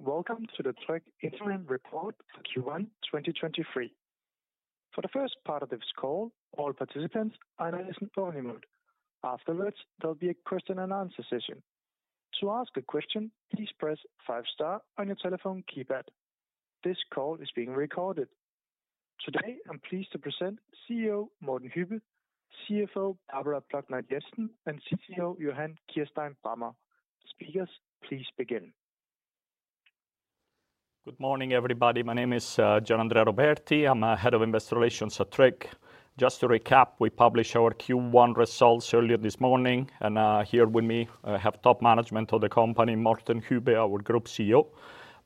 Welcome to the Tryg Interim Report for Q1 2023. For the first part of this call, all participants are in a listen-only mode. Afterwards, there'll be a question and answer session. To ask a question, please press star five on your telephone keypad. This call is being recorded. Today, I'm pleased to present CEO Morten Hübbe, CFO Barbara Plucnar Jensen, and CCO Johan Kirstein Brammer. Speakers, please begin. Good morning, everybody. My name is Gianandrea Roberti. I'm Head of Investor Relations at Tryg. Just to recap, we published our Q1 results earlier this morning. Here with me, I have top management of the company, Morten Hübbe, our Group CEO;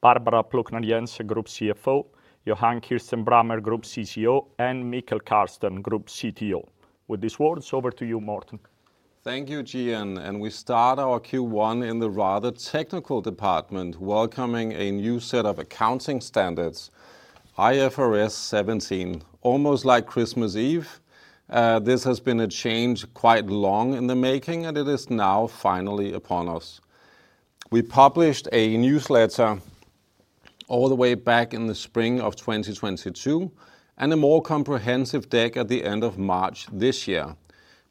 Barbara Plucnar Jensen, Group CFO; Johan Kirstein Brammer, Group CCO; and Mikael Kärrsten, Group CTO. With these words, over to you, Morten. Thank you, Gian. We start our Q1 in the rather technical department, welcoming a new set of accounting standards, IFRS 17. Almost like Christmas Eve, this has been a change quite long in the making, and it is now finally upon us. We published a newsletter all the way back in the spring of 2022, and a more comprehensive deck at the end of March this year,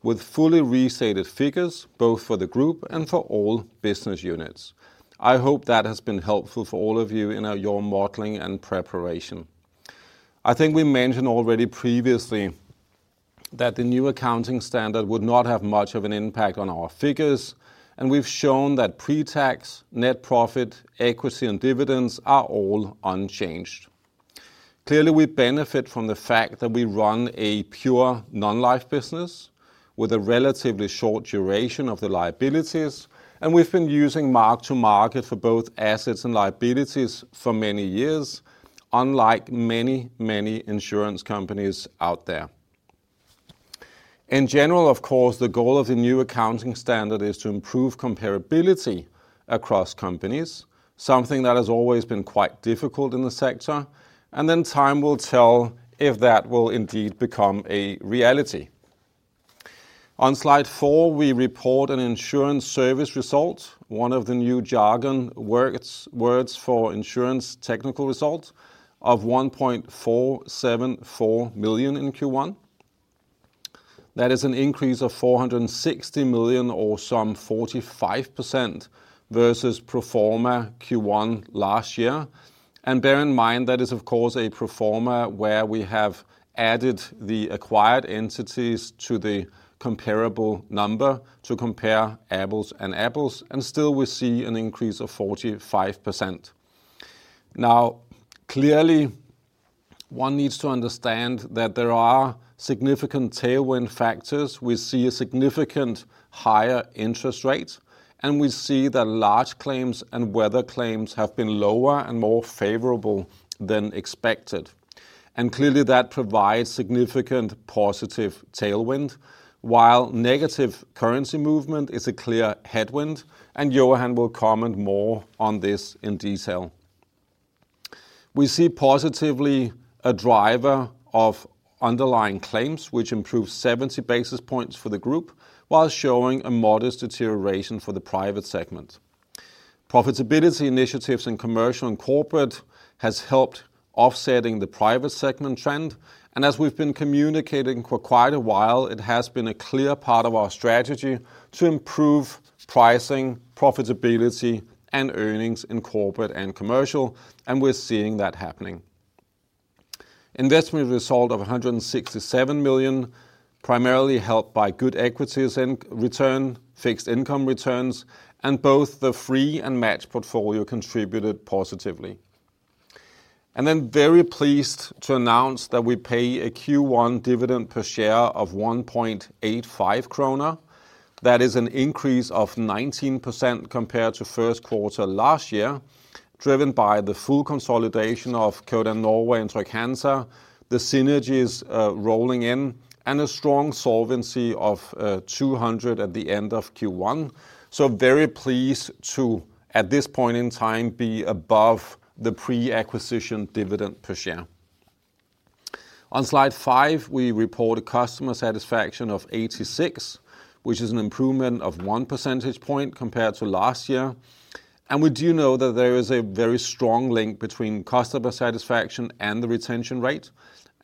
with fully restated figures, both for the group and for all business units. I hope that has been helpful for all of you in your modeling and preparation. I think we mentioned already previously that the new accounting standard would not have much of an impact on our figures, and we've shown that pre-tax, net profit, equity, and dividends are all unchanged. Clearly, we benefit from the fact that we run a pure non-life business with a relatively short duration of the liabilities. We've been using mark to market for both assets and liabilities for many years, unlike many, many insurance companies out there. In general, of course, the goal of the new accounting standard is to improve comparability across companies, something that has always been quite difficult in the sector. Time will tell if that will indeed become a reality. On Slide four, we report an insurance service result, one of the new jargon words for insurance technical result of 1.474 million in Q1. That is an increase of 460 million or some 45% versus pro forma Q1 last year. Bear in mind, that is of course a pro forma where we have added the acquired entities to the comparable number to compare apples and apples, and still we see an increase of 45%. Clearly one needs to understand that there are significant tailwind factors. We see a significant higher interest rate, and we see that large claims and weather claims have been lower and more favorable than expected. Clearly that provides significant positive tailwind, while negative currency movement is a clear headwind, and Johan will comment more on this in detail. We see positively a driver of underlying claims, which improves 70 basis points for the group while showing a modest deterioration for the private segment. Profitability initiatives in commercial and corporate has helped offsetting the private segment trend. As we've been communicating for quite a while, it has been a clear part of our strategy to improve pricing, profitability, and earnings in corporate and commercial, and we're seeing that happening. Investment result of 167 million primarily helped by good equities in return, fixed income returns, and both the free and match portfolio contributed positively. Very pleased to announce that we pay a Q1 dividend per share of 1.85 kroner. That is an increase of 19% compared to first quarter last year, driven by the full consolidation of Codan Norway and Trygg-Hansa, the synergies rolling in, and a strong solvency of 200 at the end of Q1. Very pleased to, at this point in time, be above the pre-acquisition dividend per share. On Slide five, we report a customer satisfaction of 86, which is an improvement of 1 percentage point compared to last year. We do know that there is a very strong link between customer satisfaction and the retention rate,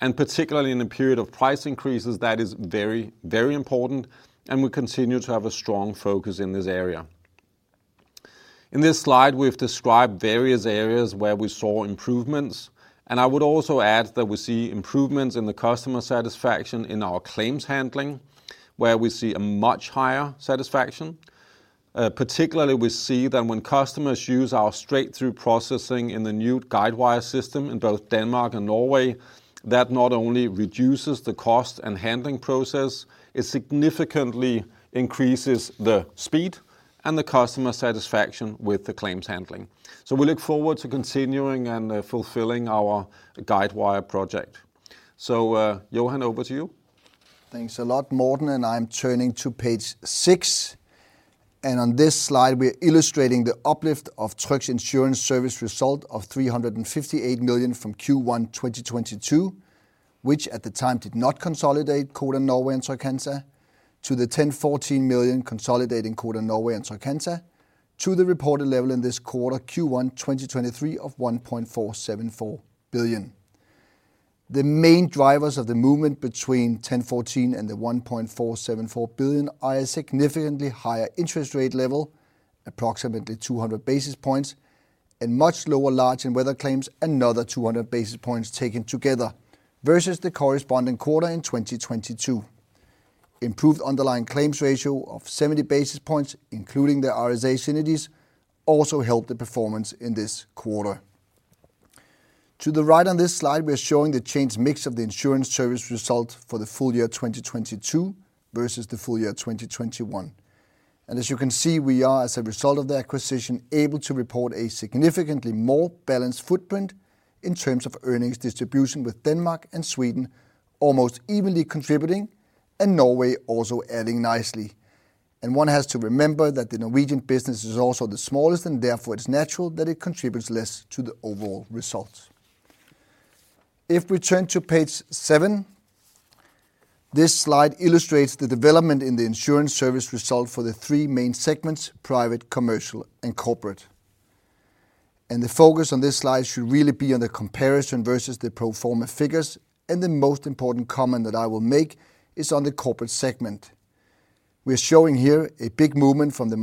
and particularly in a period of price increases, that is very, very important, and we continue to have a strong focus in this area. In this Slide, we've described various areas where we saw improvements, and I would also add that we see improvements in the customer satisfaction in our claims handling, where we see a much higher satisfaction. Particularly we see that when customers use our straight-through processing in the new Guidewire system in both Denmark and Norway, that not only reduces the cost and handling process, it significantly increases the speed and the customer satisfaction with the claims handling. We look forward to continuing and fulfilling our Guidewire project. Johan, over to you. Thanks a lot, Morten, I'm turning to Page six. On this Slide we are illustrating the uplift of Tryg's insurance service result of 358 million from Q1 2022. Which at the time did not consolidate Codan Norway and Trygg-Hansa to the 10.14 million consolidating Codan Norway and Trygg-Hansa to the reported level in this quarter Q1 2023 of 1.474 billion. The main drivers of the movement between 10.14 and the 1.474 billion are a significantly higher interest rate level, approximately 200 basis points, and much lower large and weather claims, another 200 basis points taken together, versus the corresponding quarter in 2022. Improved underlying claims ratio of 70 basis points, including the RSA synergies, also helped the performance in this quarter. To the right on this Slide, we are showing the changed mix of the insurance service result for the full year 2022 versus the full year 2021. As you can see, we are as a result of the acquisition, able to report a significantly more balanced footprint in terms of earnings distribution with Denmark and Sweden almost evenly contributing and Norway also adding nicely. One has to remember that the Norwegian business is also the smallest, and therefore it's natural that it contributes less to the overall results. If we turn to Page seven, this Slide illustrates the development in the insurance service result for the three main segments: private, commercial, and corporate. The focus on this Slide should really be on the comparison versus the pro forma figures, and the most important comment that I will make is on the corporate segment. We are showing here a big movementthe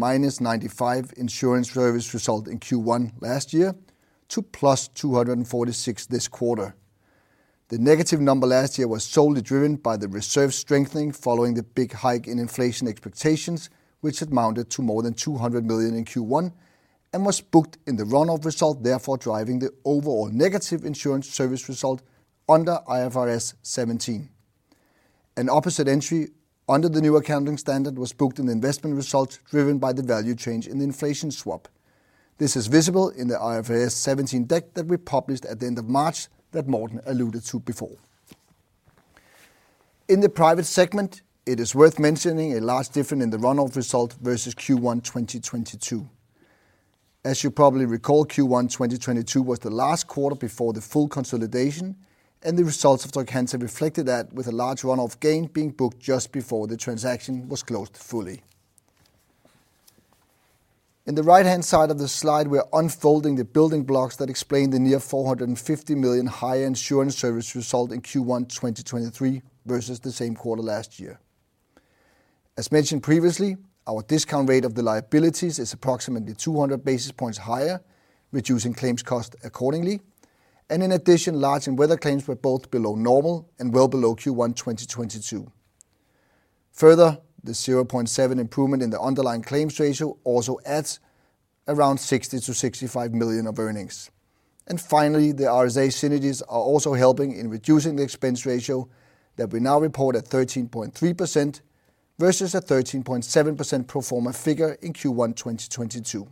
-95 insurance service result in Q1 last year to +246 this quarter. The negative number last year was solely driven by the reserve strengthening following the big hike in inflation expectations, which had mounted to more than 200 million in Q1 and was booked in the run-off result, therefore driving the overall negative insurance service result under IFRS 17. An opposite entry under the new accounting standard was booked in the investment result driven by the value change in the inflation swap. This is visible in the IFRS 17 deck that we published at the end of March that Morten alluded to before. In the private segment, it is worth mentioning a large difference in the run-off result versus Q1 2022. You probably recall, Q1 2022 was the last quarter before the full consolidation, and the results of Trygg-Hansa reflected that with a large run-off gain being booked just before the transaction was closed fully. In the right-hand side of the Slide, we are unfolding the building blocks that explain the near 450 million higher insurance service result in Q1 2023 versus the same quarter last year. As mentioned previously, our discount rate of the liabilities is approximately 200 basis points higher, reducing claims cost accordingly. In addition, large and weather claims were both below normal and well below Q1 2022. Further, the 0.7% improvement in the underlying claims ratio also adds around 60 million-65 million of earnings. Finally, the RSA synergies are also helping in reducing the expense ratio that we now report at 13.3% versus a 13.7% pro forma figure in Q1 2022.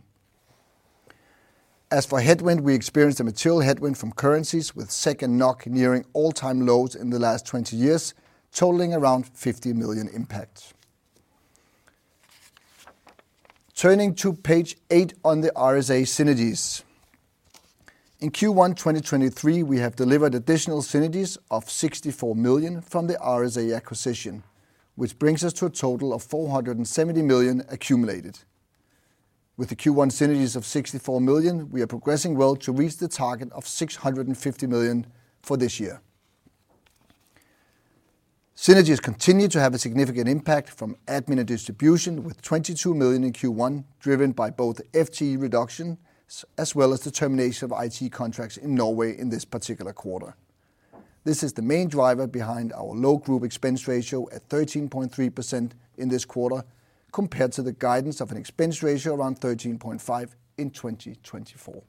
As for headwind, we experienced a material headwind from currencies with SEK and NOK nearing all-time lows in the last 20 years, totaling around 50 million impact. Turning to Page eight on the RSA synergies. In Q1 2023, we have delivered additional synergies of 64 million from the RSA acquisition, which brings us to a total of 470 million accumulated. With the Q1 synergies of 64 million, we are progressing well to reach the target of 650 million for this year. Synergies continue to have a significant impact from admin and distribution, with 22 million in Q1 driven by both FTE reduction as well as the termination of IT contracts in Norway in this particular quarter. This is the main driver behind our low group expense ratio at 13.3% in this quarter, compared to the guidance of an expense ratio around 13.5% in 2024.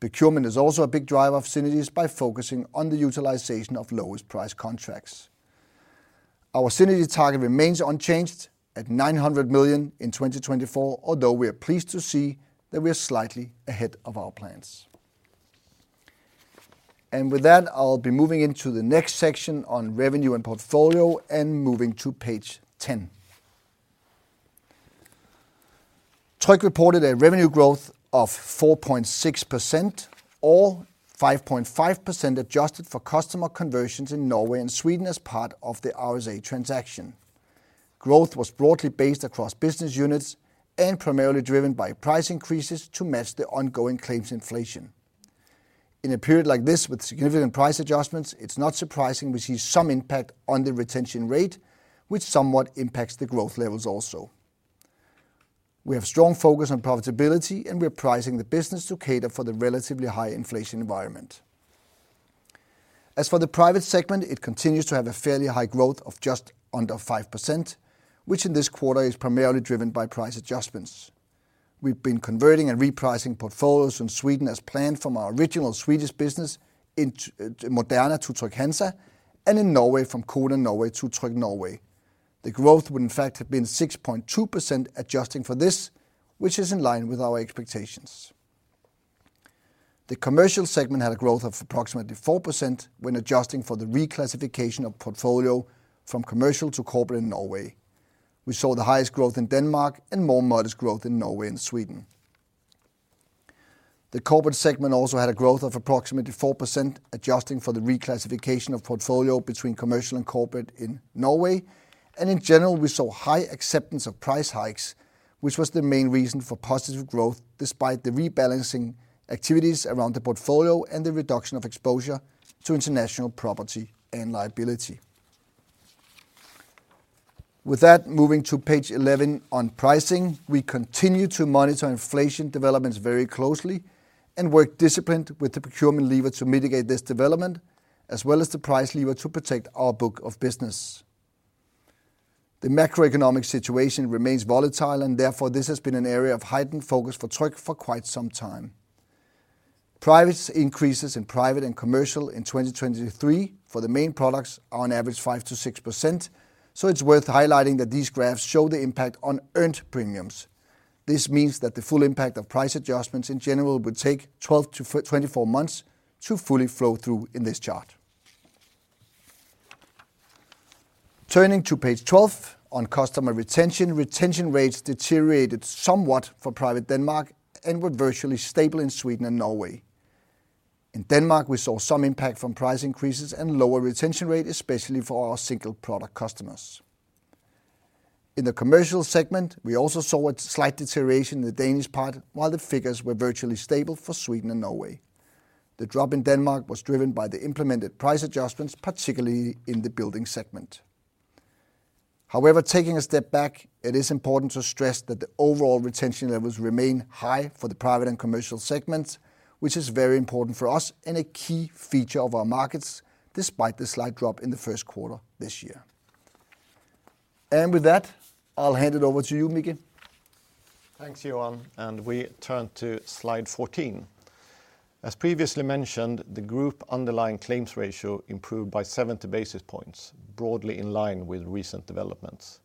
Procurement is also a big driver of synergies by focusing on the utilization of lowest price contracts. Our synergy target remains unchanged at 900 million in 2024, although we are pleased to see that we are slightly ahead of our plans. With that, I'll be moving into the next section on revenue and portfolio and moving to Page 10. Tryg reported a revenue growth of 4.6% or 5.5% adjusted for customer conversions in Norway and Sweden as part of the RSA transaction. Growth was broadly based across business units and primarily driven by price increases to match the ongoing claims inflation. In a period like this with significant price adjustments, it's not surprising we see some impact on the retention rate, which somewhat impacts the growth levels also. We have strong focus on profitability. We are pricing the business to cater for the relatively high inflation environment. As for the private segment, it continues to have a fairly high growth of just under 5%, which in this quarter is primarily driven by price adjustments. We've been converting and repricing portfolios in Sweden as planned from our original Swedish business in Moderna to Trygg-Hansa and in Norway from Codan Norway to Tryg Norway. The growth would in fact have been 6.2% adjusting for this, which is in line with our expectations. The commercial segment had a growth of approximately 4% when adjusting for the reclassification of portfolio from commercial to corporate in Norway. We saw the highest growth in Denmark and more modest growth in Norway and Sweden. The corporate segment also had a growth of approximately 4% adjusting for the reclassification of portfolio between commercial and corporate in Norway. In general, we saw high acceptance of price hikes, which was the main reason for positive growth despite the rebalancing activities around the portfolio and the reduction of exposure to international property and liability. With that, moving to Page 11 on pricing, we continue to monitor inflation developments very closely and work disciplined with the procurement lever to mitigate this development, as well as the price lever to protect our book of business. The macroeconomic situation remains volatile, and therefore, this has been an area of heightened focus for Tryg for quite some time. Price increases in private and commercial in 2023 for the main products are on average 5%-6%. It's worth highlighting that these graphs show the impact on earned premiums. This means that the full impact of price adjustments in general would take 12-24 months to fully flow through in this chart. Turning to Page 12 on customer retention rates deteriorated somewhat for private Denmark and were virtually stable in Sweden and Norway. In Denmark, we saw some impact from price increases and lower retention rate, especially for our single product customers. In the commercial segment, we also saw a slight deterioration in the Danish part while the figures were virtually stable for Sweden and Norway. The drop in Denmark was driven by the implemented price adjustments, particularly in the building segment. However, taking a step back, it is important to stress that the overall retention levels remain high for the private and commercial segments, which is very important for us and a key feature of our markets despite the slight drop in the first quarter this year. With that, I'll hand it over to you, Mikael. Thanks, Johan. We turn to Slide 14. As previously mentioned, the group underlying claims ratio improved by 70 basis points, broadly in line with recent developments.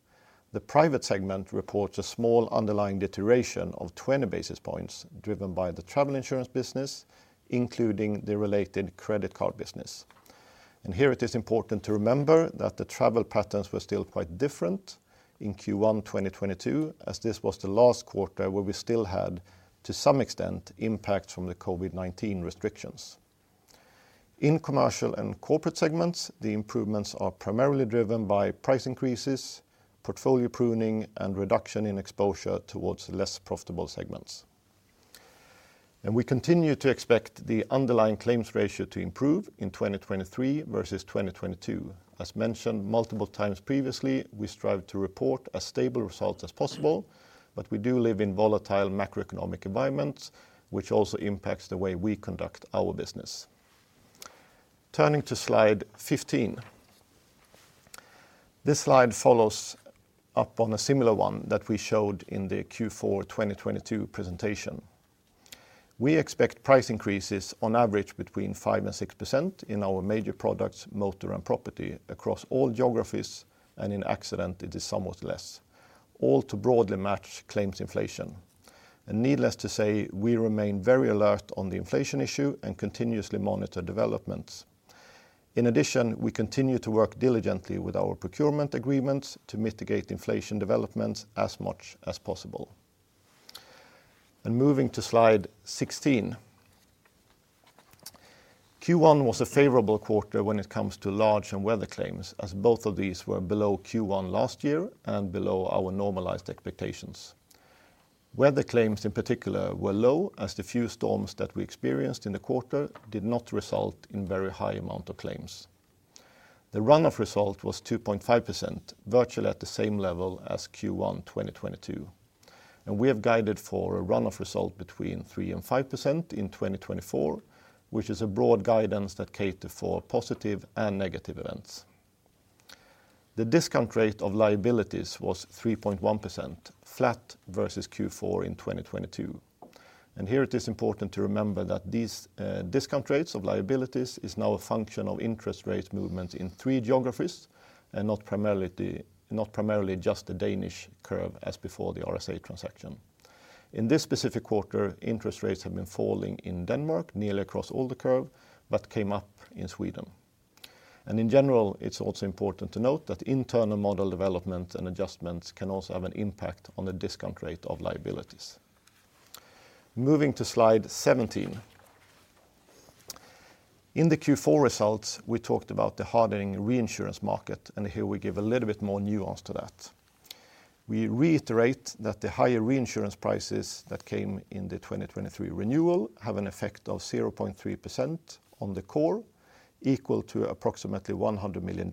The private segment reports a small underlying deterioration of 20 basis points driven by the travel insurance business, including the related credit card business. Here it is important to remember that the travel patterns were still quite different in Q1 2022, as this was the last quarter where we still had, to some extent, impact from the COVID-19 restrictions. In commercial and corporate segments, the improvements are primarily driven by price increases, portfolio pruning, and reduction in exposure towards less profitable segments. We continue to expect the underlying claims ratio to improve in 2023 versus 2022. As mentioned multiple times previously, we strive to report as stable results as possible, but we do live in volatile macroeconomic environments, which also impacts the way we conduct our business. Turning to Slide 15. This Slide follows up on a similar one that we showed in the Q4 2022 presentation. We expect price increases on average between 5% and 6% in our major products, motor and property, across all geographies, and in accident it is somewhat less, all to broadly match claims inflation. Needless to say, we remain very alert on the inflation issue and continuously monitor developments. In addition, we continue to work diligently with our procurement agreements to mitigate inflation developments as much as possible. Moving to Slide 16. Q1 was a favorable quarter when it comes to large and weather claims, as both of these were below Q1 last year and below our normalized expectations. Weather claims in particular were low as the few storms that we experienced in the quarter did not result in very high amount of claims. The run-off result was 2.5%, virtually at the same level as Q1 2022. We have guided for a run-off result between 3% and 5% in 2024, which is a broad guidance that cater for positive and negative events. The discount rate of liabilities was 3.1%, flat versus Q4 2022. Here it is important to remember that these discount rates of liabilities is now a function of interest rate movements in 3 geographies and not primarily just the Danish curve as before the RSA transaction. In this specific quarter, interest rates have been falling in Denmark, nearly across all the curve, but came up in Sweden. In general, it's also important to note that internal model development and adjustments can also have an impact on the discount rate of liabilities. Moving to Slide 17. In the Q4 results, we talked about the hardening reinsurance market, and here we give a little bit more nuance to that. We reiterate that the higher reinsurance prices that came in the 2023 renewal have an effect of 0.3% on the core, equal to approximately 100 million,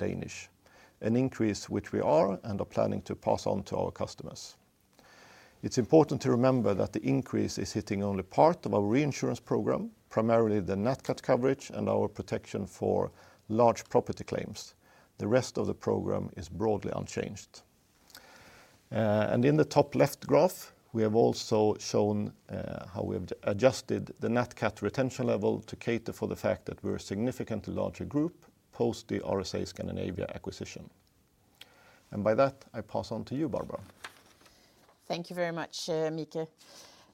an increase which we are and are planning to pass on to our customers. It's important to remember that the increase is hitting only part of our reinsurance program, primarily the net cat coverage and our protection for large property claims. The rest of the program is broadly unchanged. In the top left graph, we have also shown how we have adjusted the net cat retention level to cater for the fact that we're a significantly larger group post the RSA Scandinavia acquisition. By that, I pass on to you, Barbara. Thank you very much,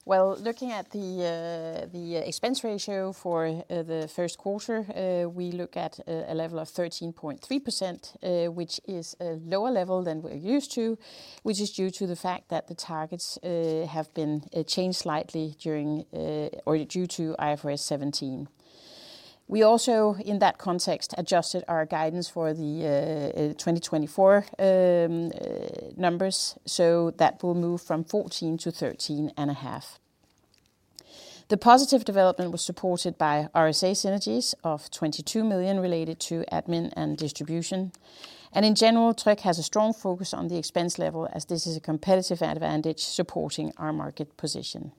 Mikael. Looking at the expense ratio for the first quarter, we look at a level of 13.3%, which is a lower level than we're used to, which is due to the fact that the targets have been changed slightly during or due to IFRS 17. We also, in that context, adjusted our guidance for the 2024 numbers, so that will move from 14% to 13.5%. The positive development was supported by RSA synergies of 22 million related to admin and distribution. In general, Tryg has a strong focus on the expense level as this is a competitive advantage supporting our market position.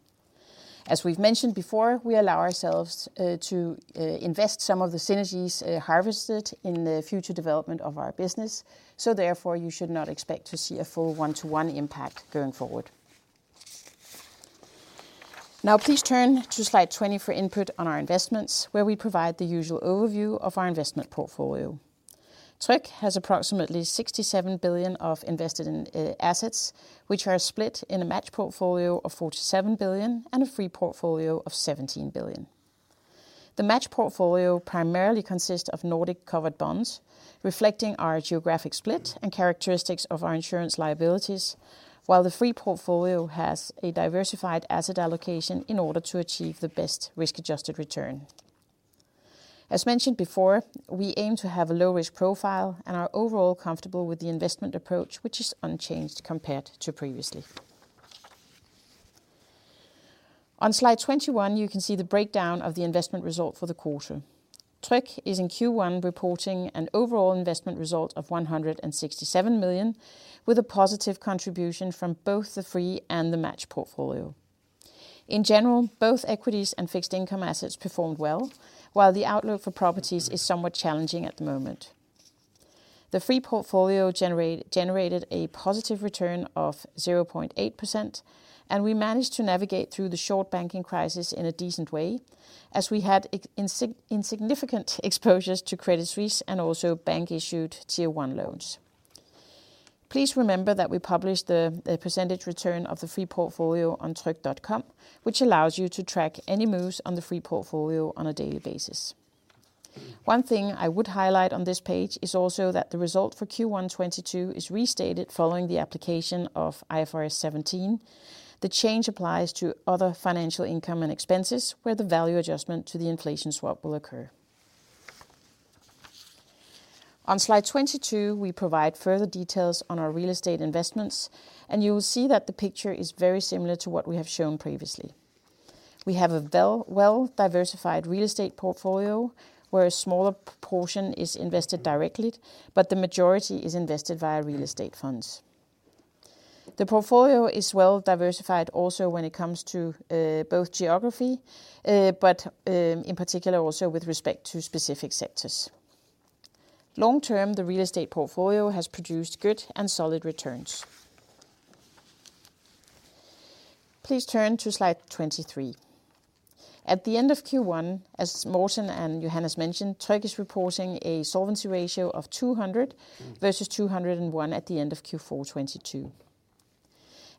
As we've mentioned before, we allow ourselves to invest some of the synergies harvested in the future development of our business. Therefore, you should not expect to see a full one-to-one impact going forward. Please turn to Slide 20 for input on our investments, where we provide the usual overview of our investment portfolio. Tryg has approximately 67 billion of invested in assets, which are split in a match portfolio of 47 billion and a free portfolio of 17 billion. The match portfolio primarily consists of Nordic covered bonds, reflecting our geographic split and characteristics of our insurance liabilities. While the free portfolio has a diversified asset allocation in order to achieve the best risk-adjusted return. As mentioned before, we aim to have a low risk profile and are overall comfortable with the investment approach, which is unchanged compared to previously. On Slide 21, you can see the breakdown of the investment result for the quarter. Tryg is in Q1 reporting an overall investment result of 167 million, with a positive contribution from both the free and the match portfolio. In general, both equities and fixed income assets performed well, while the outlook for properties is somewhat challenging at the moment. The free portfolio generated a positive return of 0.8%, and we managed to navigate through the short banking crisis in a decent way as we had insignificant exposures to credit risk and also bank issued Additional Tier 1. Please remember that we published the percentage return of the free portfolio on tryg.com, which allows you to track any moves on the free portfolio on a daily basis. One thing I would highlight on this page is also that the result for Q1 2022 is restated following the application of IFRS 17. The change applies to other financial income and expenses where the value adjustment to the inflation swap will occur. On Slide 22, we provide further details on our real estate investments. You will see that the picture is very similar to what we have shown previously. We have a well-diversified real estate portfolio where a smaller proportion is invested directly. The majority is invested via real estate funds. The portfolio is well diversified also when it comes to both geography, but in particular also with respect to specific sectors. Long term, the real estate portfolio has produced good and solid returns. Please turn to Slide 23. At the end of Q1, as Morten and Johan mentioned, Tryg is reporting a solvency ratio of 200 versus 201 at the end of Q4 2022.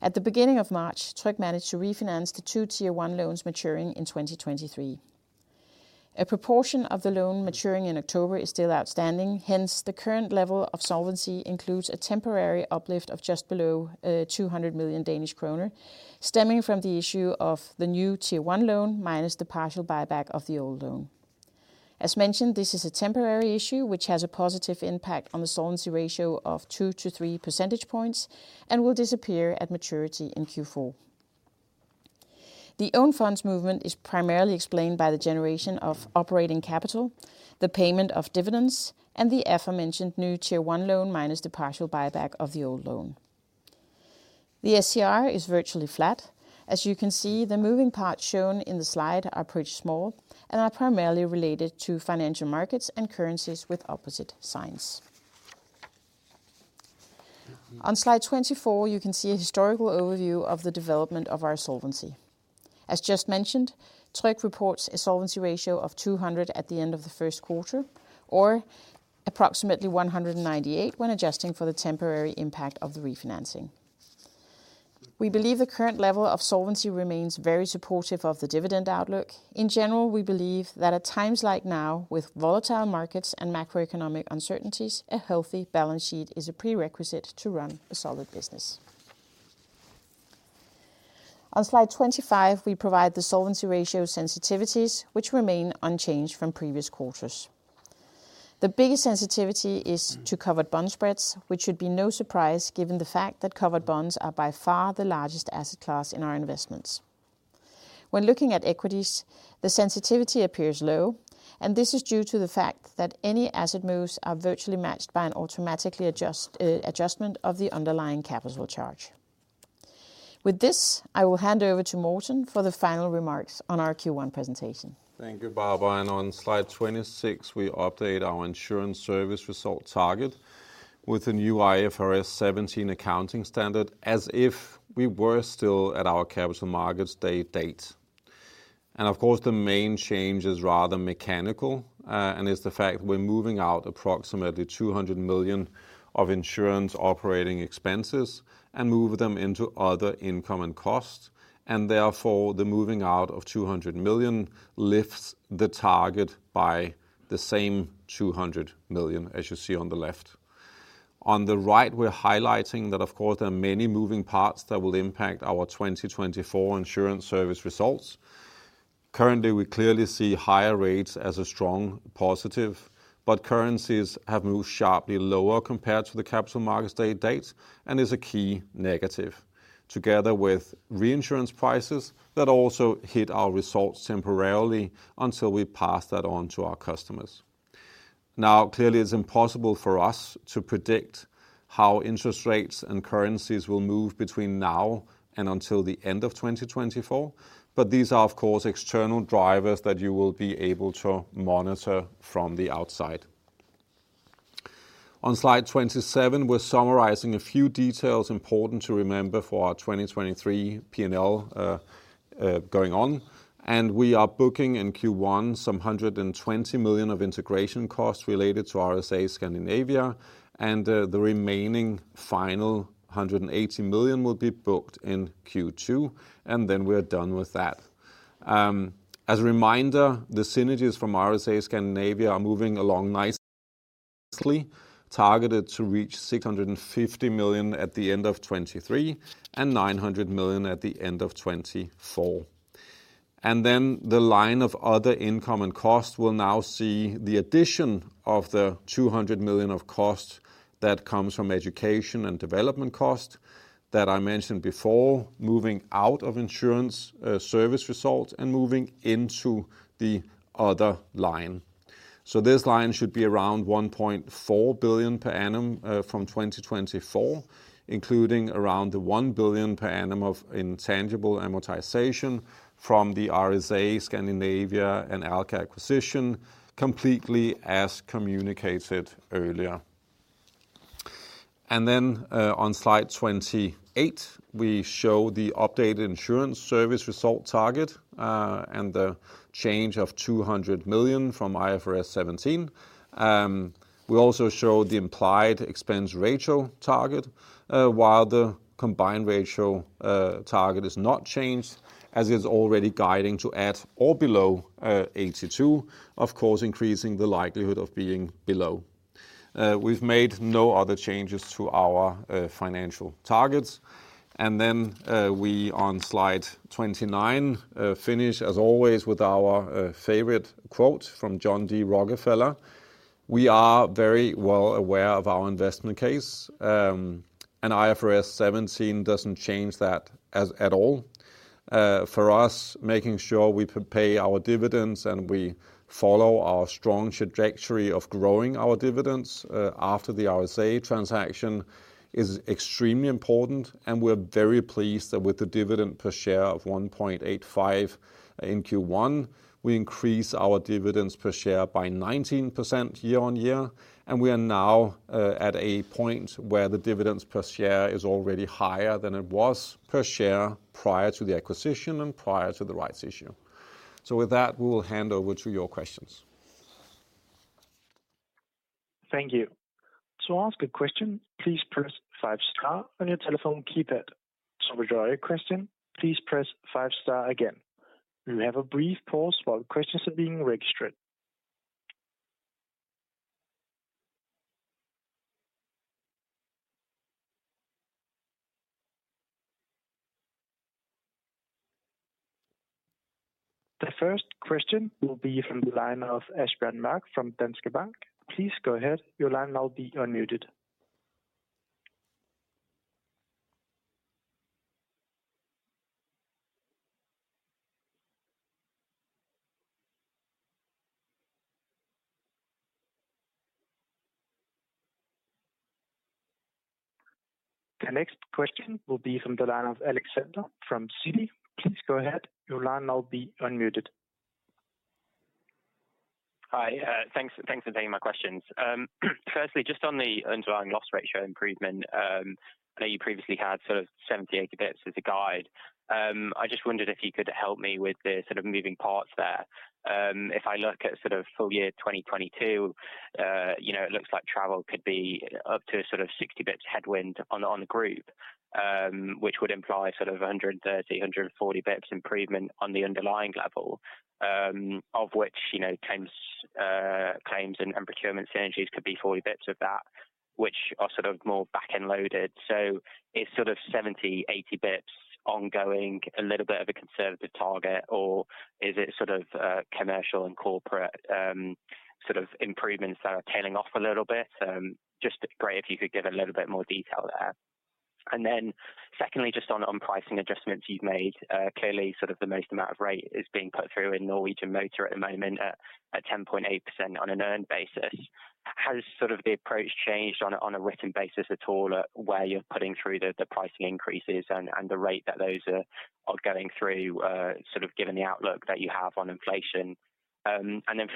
At the beginning of March, Tryg managed to refinance the 2 Additional Tier 1 maturing in 2023. A proportion of the loan maturing in October is still outstanding. Hence, the current level of solvency includes a temporary uplift of just below 200 million Danish kroner, stemming from the issue of the new Tier 1 loan, minus the partial buyback of the old loan. As mentioned, this is a temporary issue which has a positive impact on the solvency ratio of 2-3 percentage points and will disappear at maturity in Q4. The own funds movement is primarily explained by the generation of operating capital, the payment of dividends, and the aforementioned new Tier 1 loan minus the partial buyback of the old loan. The SCR is virtually flat. As you can see, the moving parts shown in the Slide are pretty small and are primarily related to financial markets and currencies with opposite signs. On Slide 24, you can see a historical overview of the development of our solvency. As just mentioned, Tryg reports a solvency ratio of 200 at the end of the first quarter, or approximately 198 when adjusting for the temporary impact of the refinancing. We believe the current level of solvency remains very supportive of the dividend outlook. In general, we believe that at times like now, with volatile markets and macroeconomic uncertainties, a healthy balance sheet is a prerequisite to run a solid business. On Slide 25, we provide the solvency ratio sensitivities which remain unchanged from previous quarters. The biggest sensitivity is to covered bond spreads, which should be no surprise given the fact that covered bonds are by far the largest asset class in our investments. When looking at equities, the sensitivity appears low, and this is due to the fact that any asset moves are virtually matched by an automatically adjustment of the underlying capital charge. With this, I will hand over to Morten for the final remarks on our Q1 presentation. Thank you, Barbara. On Slide 26, we update our insurance service result target with the new IFRS 17 accounting standard as if we were still at our Capital Markets Day date. Of course, the main change is rather mechanical, and it's the fact we're moving out approximately 200 million of insurance operating expenses and move them into other income and costs, and therefore the moving out of 200 million lifts the target by the same 200 million, as you see on the left. On the right, we're highlighting that of course there are many moving parts that will impact our 2024 insurance service results. Currently, we clearly see higher rates as a strong positive, currencies have moved sharply lower compared to the Capital Markets Day date, and is a key negative. Together with reinsurance prices that also hit our results temporarily until we pass that on to our customers. Clearly it's impossible for us to predict how interest rates and currencies will move between now and until the end of 2024, but these are of course external drivers that you will be able to monitor from the outside. On Slide 27, we're summarizing a few details important to remember for our 2023 P&L going on, and we are booking in Q1 some 120 million of integration costs related to RSA Scandinavia, and the remaining final 180 million will be booked in Q2, and then we're done with that. As a reminder, the synergies from RSA Scandinavia are moving along nicely, targeted to reach 650 million at the end of 2023, and 900 million at the end of 2024. The line of other income and costs will now see the addition of 200 million of costs that comes from education and development costs that I mentioned before, moving out of insurance service result and moving into the other line. This line should be around 1.4 billion per annum from 2024, including around 1 billion per annum of intangible amortization from the RSA Scandinavia and ALKA acquisition, completely as communicated earlier. On Slide 28, we show the updated insurance service result target, and the change of 200 million from IFRS 17. We also show the implied expense ratio target, while the combined ratio target is not changed as is already guiding to at or below 82, of course, increasing the likelihood of being below. We on Slide 29 finish as always with our favorite quote from John D. Rockefeller. We are very well aware of our investment case, and IFRS 17 doesn't change that at all. For us, making sure we pay our dividends, and we follow our strong trajectory of growing our dividends after the RSA transaction is extremely important, and we're very pleased that with the dividend per share of 1.85 in Q1, we increase our dividends per share by 19% year-on-year. We are now at a point where the dividends per share is already higher than it was per share prior to the acquisition and prior to the rights issue. With that, we will hand over to your questions. Thank you. To ask a question, please press five star on your telephone keypad. To withdraw your question, please press five star again. We have a brief pause while questions are being registered. The first question will be from the line of Asbjørn Mørk from Danske Bank. Please go ahead. Your line will now be unmuted. The next question will be from the line of Alexander from Citi. Please go ahead. Your line will now be unmuted. Hi. Thanks for taking my questions. Firstly, just on the underlying loss ratio improvement, I know you previously had sort of 70, 80 bps as a guide. I just wondered if you could help me with the sort of moving parts there. If I look at sort of full year 2022, you know, it looks like travel could be up to sort of 60 bps headwind on the group, which would imply sort of 130, 140 bps improvement on the underlying level, of which, you know, claims and procurement synergies could be 40 bps of that, which are sort of more back-end loaded. Is sort of 70, 80 bps ongoing a little bit of a conservative target, or is it sort of commercial and corporate improvements that are tailing off a little bit? Just be great if you could give a little bit more detail there. Secondly, just on pricing adjustments you've made, clearly sort of the most amount of rate is being put through in Norwegian Motor at the moment at 10.8% on an earned basis. Has sort of the approach changed on a written basis at all, where you're putting through the pricing increases and the rate that those are going through, sort of given the outlook that you have on inflation?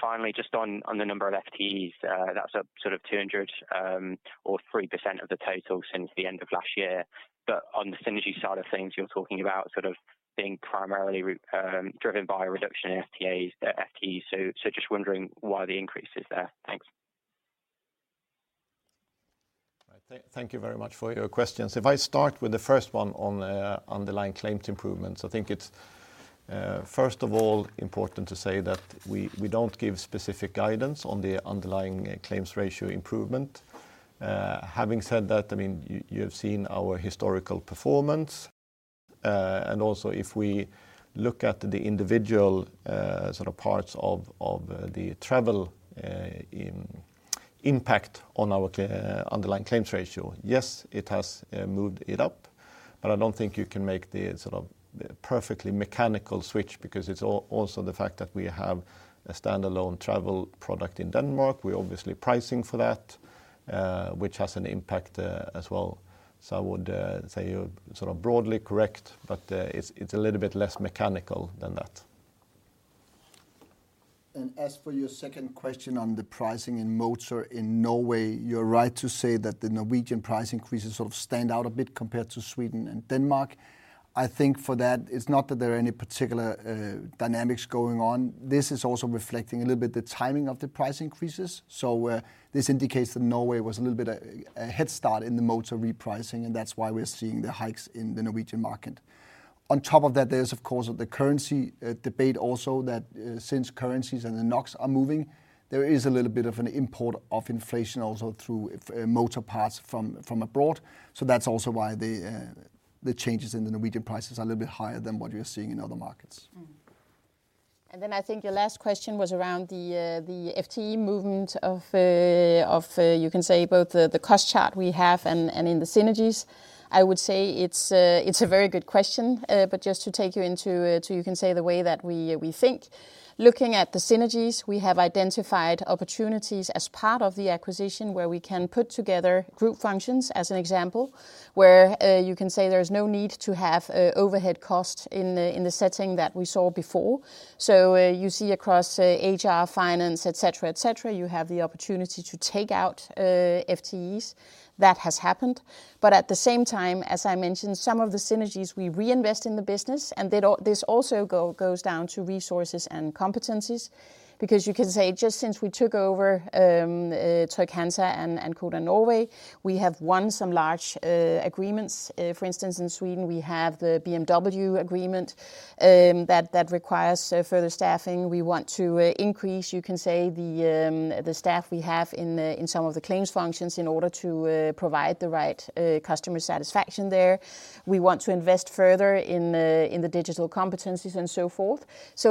Finally, just on the number of FTEs, that's up sort of 200, or 3% of the total since the end of last year. On the synergy side of things, you're talking about sort of being primarily driven by a reduction in FTEs. Just wondering why the increase is there. Thanks. Thank you very much for your questions. If I start with the first one on the underlying claims improvements, I think it's First of all, important to say that we don't give specific guidance on the underlying claims ratio improvement. Having said that, I mean, you've seen our historical performance. Also if we look at the individual sort of parts of the travel impact on our underlying claims ratio. Yes, it has moved it up, but I don't think you can make the sort of perfectly mechanical switch because it's also the fact that we have a standalone travel product in Denmark. We're obviously pricing for that, which has an impact as well. I would say you're sort of broadly correct, but it's a little bit less mechanical than that. As for your second question on the pricing in motor in Norway, you're right to say that the Norwegian price increases sort of stand out a bit compared to Sweden and Denmark. I think for that it's not that there are any particular dynamics going on. This is also reflecting a little bit the timing of the price increases. This indicates that Norway was a little bit a head start in the motor repricing, and that's why we're seeing the hikes in the Norwegian market. On top of that, there's of course the currency debate also that since currencies and the NOK are moving, there is a little bit of an import of inflation also through motor parts from abroad. That's also why the changes in the Norwegian prices are a little bit higher than what you're seeing in other markets. I think your last question was around the FTE movement of, you can say both the cost chart we have and in the synergies. I would say it's a very good question. Just to take you into, to you can say the way that we think. Looking at the synergies, we have identified opportunities as part of the acquisition where we can put together group functions as an example. Where, you can say there's no need to have overhead costs in the setting that we saw before. You see across HR, finance, et cetera, et cetera, you have the opportunity to take out FTEs. That has happened. At the same time, as I mentioned, some of the synergies we reinvest in the business, this also goes down to resources and competencies. You can say just since we took over Trygg-Hansa and Codan Norway, we have won some large agreements. For instance, in Sweden, we have the BMW agreement that requires further staffing. We want to increase, you can say the staff we have in some of the claims functions in order to provide the right customer satisfaction there. We want to invest further in the digital competencies and so forth.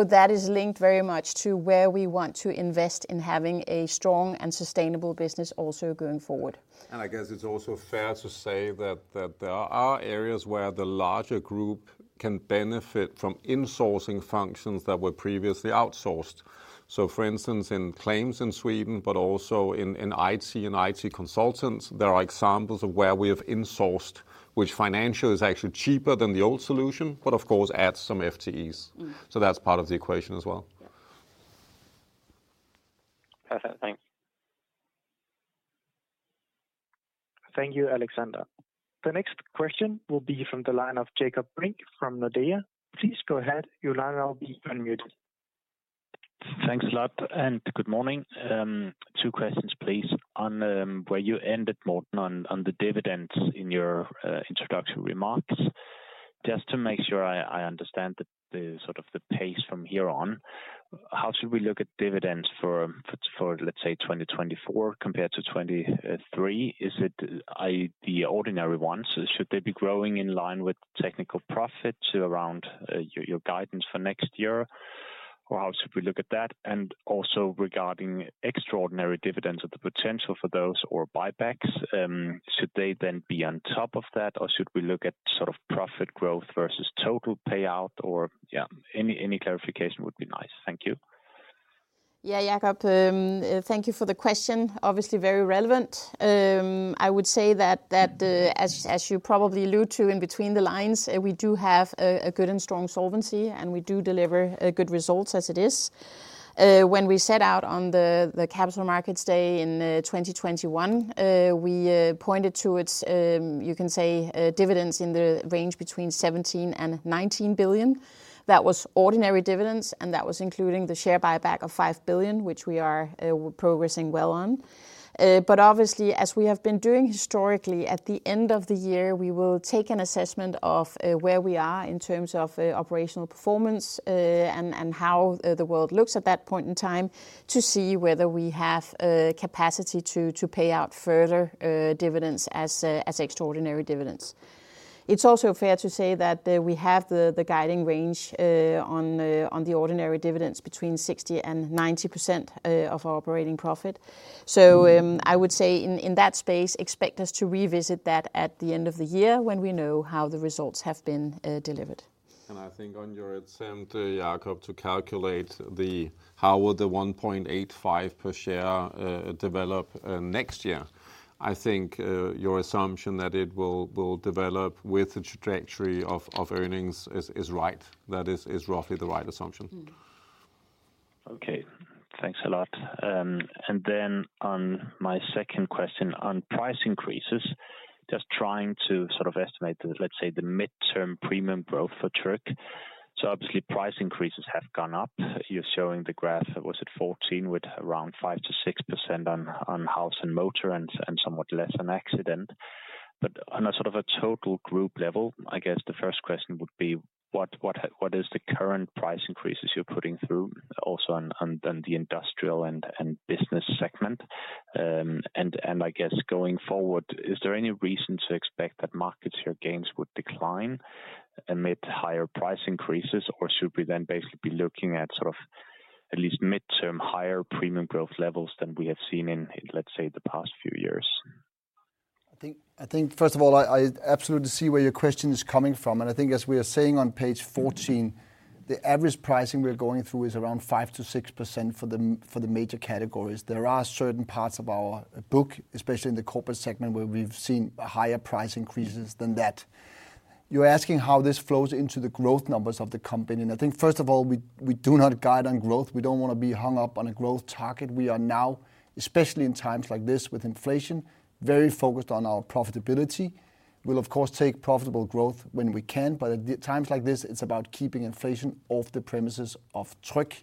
That is linked very much to where we want to invest in having a strong and sustainable business also going forward. I guess it's also fair to say that there are areas where the larger group can benefit from insourcing functions that were previously outsourced. So for instance, in claims in Sweden, but also in IT and IT consultants, there are examples of where we have insourced, which financial is actually cheaper than the old solution, but of course adds some FTEs. That's part of the equation as well. Yeah. Perfect. Thanks. Thank you, Alexander. The next question will be from the line of Jakob Brink from Nordea. Please go ahead. Your line will now be unmuted. Thanks a lot, good morning. Two questions, please. On where you ended, Morten, on the dividends in your introduction remarks. Just to make sure I understand the sort of the pace from here on, how should we look at dividends for let's say 2024 compared to 2023? Is it the ordinary ones? Should they be growing in line with technical profits around your guidance for next year? Or how should we look at that? Also regarding extraordinary dividends or the potential for those or buybacks, should they then be on top of that, or should we look at sort of profit growth versus total payout? Any clarification would be nice. Thank you. Yeah, Jakob. Thank you for the question. Obviously very relevant. I would say that as you probably allude to in between the lines, we do have a good and strong solvency, and we do deliver good results as it is. When we set out on the Capital Markets Day in 2021, we pointed to its, you can say, dividends in the range between 17 billion and 19 billion. That was ordinary dividends, and that was including the share buyback of 5 billion, which we are progressing well on. Obviously, as we have been doing historically, at the end of the year, we will take an assessment of where we are in terms of operational performance, and how the world looks at that point in time to see whether we have capacity to pay out further dividends as extraordinary dividends. It's also fair to say that we have the guiding range on the ordinary dividends between 60% and 90% of our operating profit. I would say in that space, expect us to revisit that at the end of the year when we know how the results have been delivered. I think on your attempt, Jakob, to calculate the how will the 1.85 per share develop next year, I think, your assumption that it will develop with the trajectory of earnings is right. That is roughly the right assumption. Thanks a lot. On my second question on price increases, just trying to sort of estimate the, let's say, the midterm premium growth for Tryg. Obviously price increases have gone up. You're showing the graph, was it 14 with around 5%-6% on house and motor and somewhat less on accident. On a sort of a total group level, I guess the first question would be what is the current price increases you're putting through also on the industrial and business segment? I guess going forward, is there any reason to expect that market share gains would decline amid higher price increases? Should we then basically be looking at sort of at least midterm higher premium growth levels than we have seen in, let's say, the past few years? I think first of all, I absolutely see where your question is coming from. I think as we are saying on Page 14, the average pricing we are going through is around 5%-6% for the major categories. There are certain parts of our book, especially in the corporate segment, where we've seen higher price increases than that. You're asking how this flows into the growth numbers of the company, I think first of all, we do not guide on growth. We don't wanna be hung up on a growth target. We are now, especially in times like this with inflation, very focused on our profitability. We'll of course take profitable growth when we can, but at times like this it's about keeping inflation off the premises of Tryg.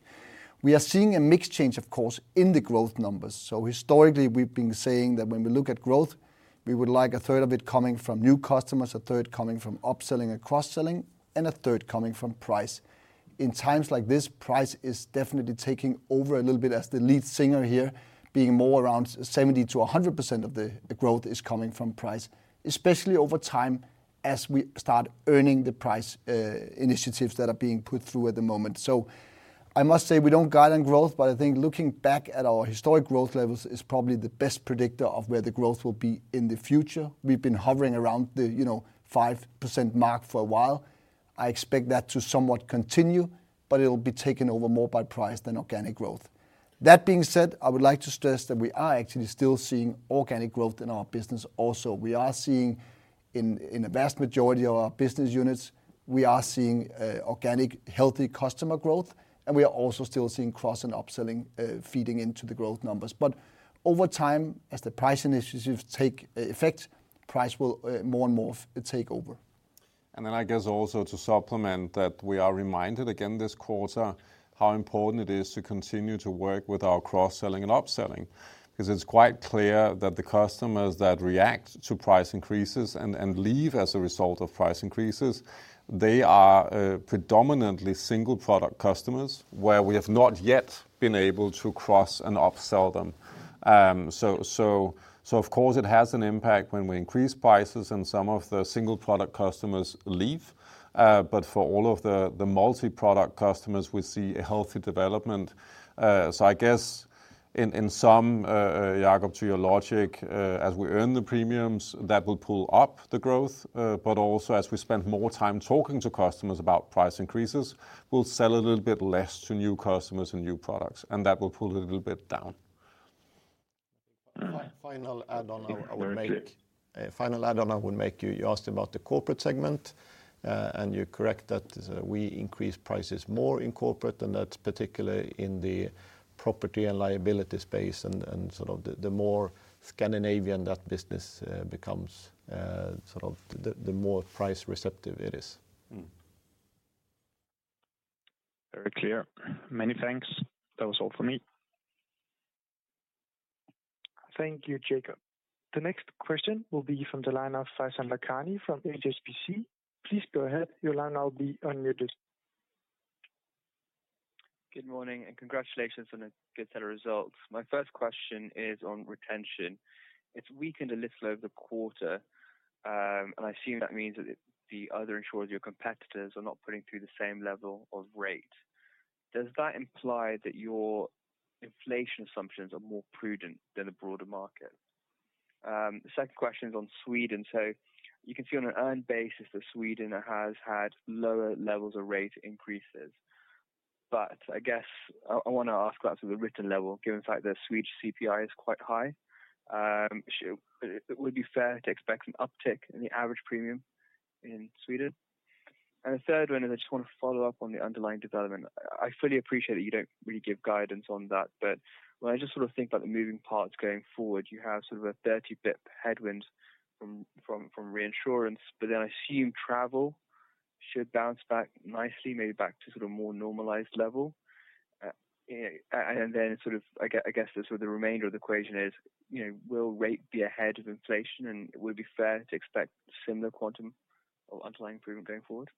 We are seeing a mixed change of course in the growth numbers. Historically we've been saying that when we look at growth, we would like a third of it coming from new customers, a third coming from upselling and cross-selling, and a third coming from price. In times like this, price is definitely taking over a little bit as the lead singer here, being more around 70%-100% of the growth is coming from price, especially over time as we start earning the price initiatives that are being put through at the moment. I must say we don't guide on growth, but I think looking back at our historic growth levels is probably the best predictor of where the growth will be in the future. We've been hovering around the, you know, 5% mark for a while. I expect that to somewhat continue, it'll be taken over more by price than organic growth. That being said, I would like to stress that we are actually still seeing organic growth in our business also. We are seeing in the vast majority of our business units, we are seeing organic healthy customer growth, and we are also still seeing cross and upselling, feeding into the growth numbers. Over time, as the price initiatives take effect, price will more and more take over. I guess also to supplement that we are reminded again this quarter how important it is to continue to work with our cross-selling and upselling. 'Cause it's quite clear that the customers that react to price increases and leave as a result of price increases, they are predominantly single product customers where we have not yet been able to cross and upsell them. Of course it has an impact when we increase prices and some of the single product customers leave. For all of the multi-product customers, we see a healthy development. I guess in some, Jacob, to your logic, as we earn the premiums, that will pull up the growth. Also as we spend more time talking to customers about price increases, we'll sell a little bit less to new customers and new products, and that will pull a little bit down. A final add on I would make. You asked about the corporate segment, and you're correct that we increase prices more in corporate, and that's particularly in the property and liability space and sort of the more Scandinavian that business becomes, sort of the more price receptive it is. Very clear. Many thanks. That was all for me. Thank you, Jacob. The next question will be from the line of Faizan Lakhani from HSBC. Please go ahead. Your line will be unmuted. Good morning. Congratulations on the good set of results. My first question is on retention. It's weakened a little over the quarter, and I assume that means that the other insurers, your competitors, are not putting through the same level of rate. Does that imply that your inflation assumptions are more prudent than the broader market? The second question is on Sweden. You can see on an earned basis that Sweden has had lower levels of rate increases. I guess I wanna ask about sort of the written level, given the fact that Swedish CPI is quite high. Would it be fair to expect an uptick in the average premium in Sweden? The third one is I just wanna follow up on the underlying development. I fully appreciate that you don't really give guidance on that, but when I just sort of think about the moving parts going forward, you have sort of a 30 basis points headwind from reinsurance. I assume travel should bounce back nicely, maybe back to sort of more normalized level. I guess the sort of the remainder of the equation is, you know, will rate be ahead of inflation, and would it be fair to expect similar quantum of underlying premium going forward?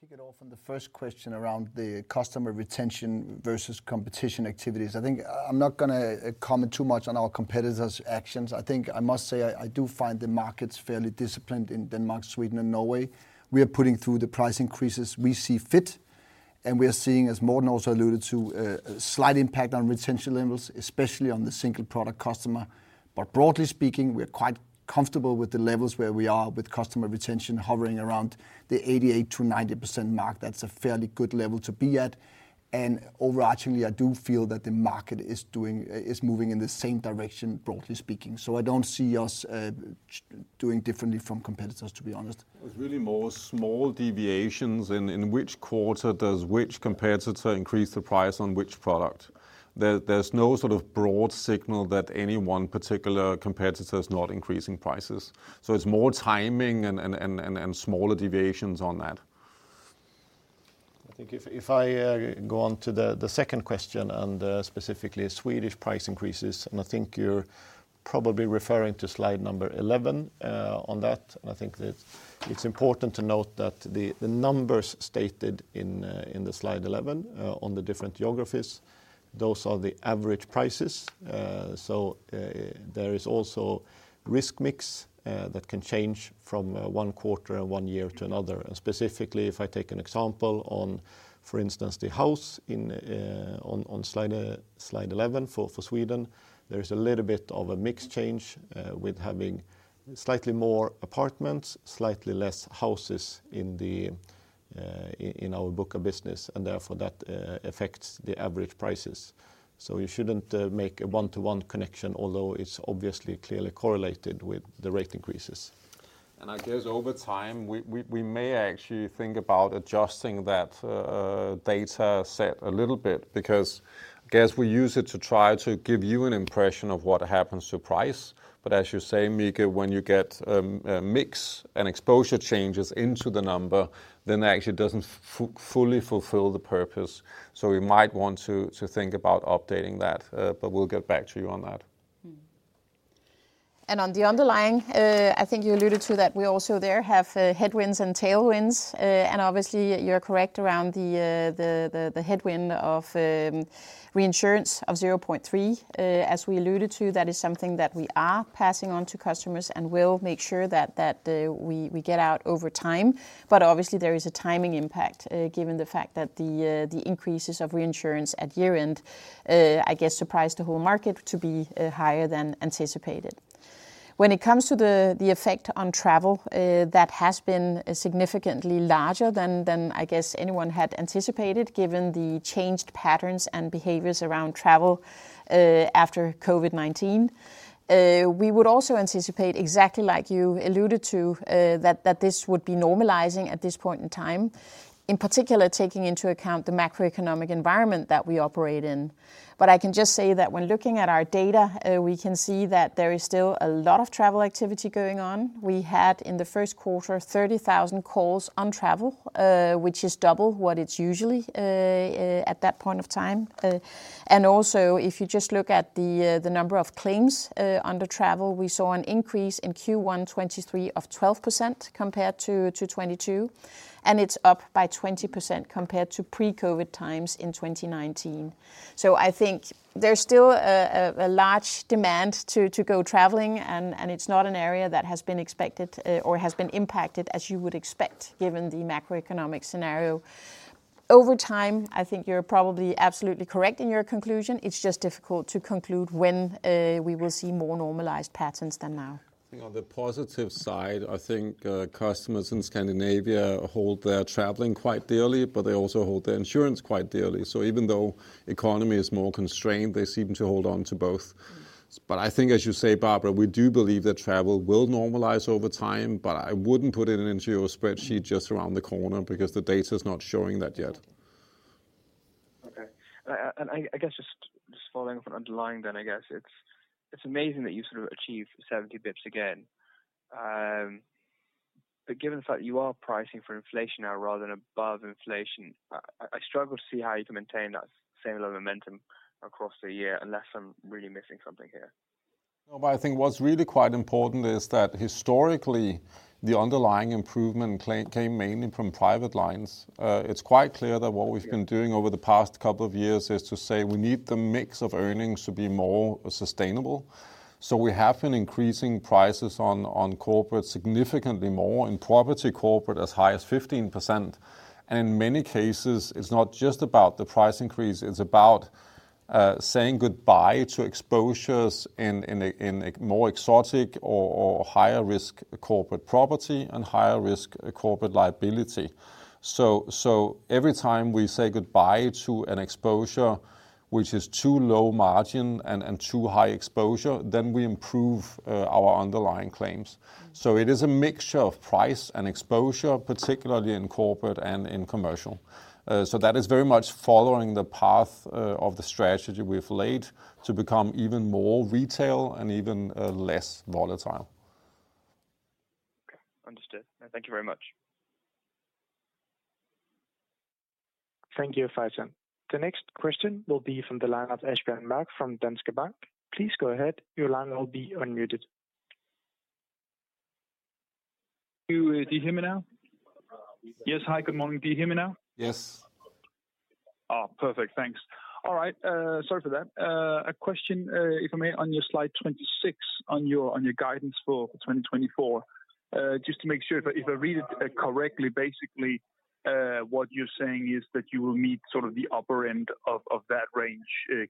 Maybe I'll kick it off on the first question around the customer retention versus competition activities. I think I'm not gonna comment too much on our competitors' actions. I must say I do find the markets fairly disciplined in Denmark, Sweden and Norway. We are putting through the price increases we see fit, and we are seeing, as Morten also alluded to, a slight impact on retention levels, especially on the single product customer. Broadly speaking, we're quite comfortable with the levels where we are with customer retention hovering around the 88%-90% mark. That's a fairly good level to be at. Overarchingly, I do feel that the market is moving in the same direction, broadly speaking. I don't see us doing differently from competitors, to be honest. It's really more small deviations in which quarter does which competitor increase the price on which product. There's no sort of broad signal that any one particular competitor is not increasing prices. It's more timing and smaller deviations on that. I think if I go on to the second question and, specifically Swedish price increases, and I think you're probably referring to Slide number 11. On that, and I think that it's important to note that the numbers stated in the Slide 11, on the different geographies, those are the average prices. So, there is also risk mix, that can change from, 1 quarter and 1 year to another. Specifically, if I take an example on, for instance, the house in, on Slide 11 for Sweden, there is a little bit of a mix change, with having slightly more apartments, slightly less houses in our book of business, and therefore that, affects the average prices. You shouldn't make a one-to-one connection, although it's obviously clearly correlated with the rate increases. I guess over time, we may actually think about adjusting that data set a little bit because I guess we use it to try to give you an impression of what happens to price. As you say, Mikael, when you get a mix and exposure changes into the number, then that actually doesn't fully fulfill the purpose. We might want to think about updating that. We'll get back to you on that. On the underlying, I think you alluded to that we also there have headwinds and tailwinds. Obviously you're correct around the headwind of reinsurance of 0.3%. As we alluded to, that is something that we are passing on to customers and will make sure that we get out over time. Obviously there is a timing impact, given the fact that the increases of reinsurance at year-end, I guess surprised the whole market to be higher than anticipated. When it comes to the effect on travel, that has been significantly larger than I guess anyone had anticipated, given the changed patterns and behaviors around travel after COVID-19. We would also anticipate exactly like you alluded to, that this would be normalizing at this point in time, in particular, taking into account the macroeconomic environment that we operate in. I can just say that when looking at our data, we can see that there is still a lot of travel activity going on. We had in the first quarter 30,000 calls on travel, which is double what it's usually at that point of time. Also if you just look at the number of claims under travel, we saw an increase in Q1 2023 of 12% compared to 2022, and it's up by 20% compared to pre-COVID times in 2019. I think there's still a large demand to go traveling, and it's not an area that has been expected, or has been impacted as you would expect given the macroeconomic scenario. Over time, I think you're probably absolutely correct in your conclusion. It's just difficult to conclude when we will see more normalized patterns than now. On the positive side, I think customers in Scandinavia hold their traveling quite dearly, but they also hold their insurance quite dearly. Even though economy is more constrained, they seem to hold on to both. I think, as you say, Barbara, we do believe that travel will normalize over time, but I wouldn't put it into your spreadsheet just around the corner because the data's not showing that yet. Okay. I guess just following up on underlying then, I guess it's amazing that you sort of achieved 70 basis points again. Given the fact you are pricing for inflation now rather than above inflation, I struggle to see how you can maintain that same level of momentum across the year unless I'm really missing something here. I think what's really quite important is that historically the underlying improvement claim came mainly from private lines. It's quite clear that what we've been doing over the past couple of years is to say we need the mix of earnings to be more sustainable. We have been increasing prices on corporate significantly more, in property corporate as high as 15%. In many cases, it's not just about the price increase, it's about saying goodbye to exposures in a more exotic or higher risk corporate property and higher risk corporate liability. Every time we say goodbye to an exposure which is too low margin and too high exposure, then we improve our underlying claims. It is a mixture of price and exposure, particularly in corporate and in commercial. That is very much following the path of the strategy we've laid to become even more retail and even less volatile. Okay. Understood. No, thank you very much. Thank you, Faizan. The next question will be from the line of Asbjørn Mørk from Danske Bank. Please go ahead. Your line will be unmuted. You, do you hear me now? Yes. Hi. Good morning. Do you hear me now? Yes. Oh, perfect. Thanks. All right. Sorry for that. A question, if I may, on your Slide 26 on your guidance for 2024. Just to make sure if I, if I read it, correctly, basically, what you're saying is that you will meet sort of the upper end of that range,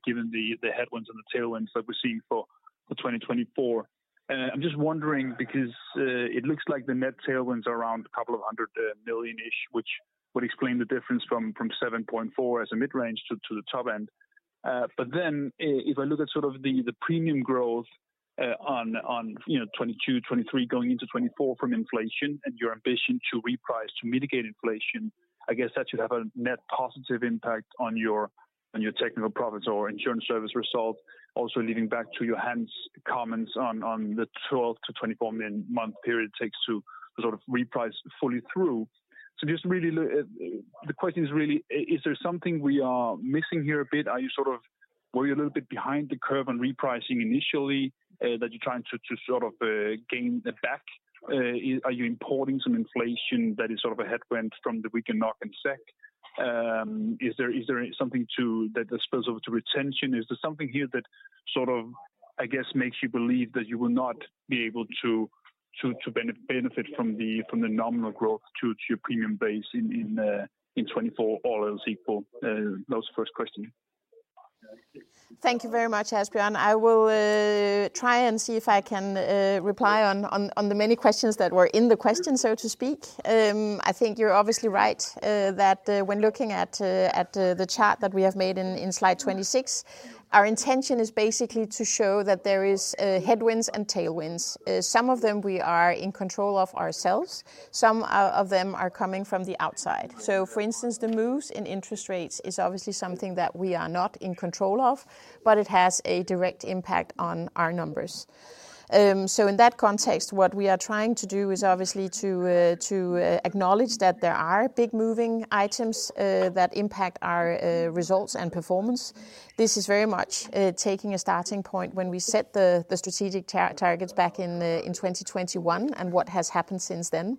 given the headwinds and the tailwinds that we're seeing for 2024. I'm just wondering because, it looks like the net tailwinds are around DKK a couple of hundred million, which would explain the difference from 7.4 as a mid-range to the top end. If I look at sort of the premium growth, on, you know, 22, 23 going into 24 from inflation and your ambition to reprice to mitigate inflation, I guess that should have a net positive impact on your, on your technical profits or insurance service results. Also leading back to Johan's comments on the 12 to 24 month period it takes to sort of reprice fully through. Just really the question is really is there something we are missing here a bit? Were you a little bit behind the curve on repricing initially, that you're trying to sort of gain that back? Are you importing some inflation that is sort of a headwind from the weaker NOK and SEK? Is there, is there something that spills over to retention? Is there something here that sort of, I guess, makes you believe that you will not be able to benefit from the nominal growth to your premium base in 2024 all else equal? That was the first question. Thank you very much, Asbjørn. I will try and see if I can reply on the many questions that were in the question, so to speak. I think you're obviously right that when looking at the chart that we have made in Slide 26, our intention is basically to show that there is headwinds and tailwinds. Some of them we are in control of ourselves, some of them are coming from the outside. For instance, the moves in interest rates is obviously something that we are not in control of, but it has a direct impact on our numbers. In that context, what we are trying to do is obviously to acknowledge that there are big moving items that impact our results and performance. This is very much, taking a starting point when we set the strategic targets back in 2021 and what has happened since then.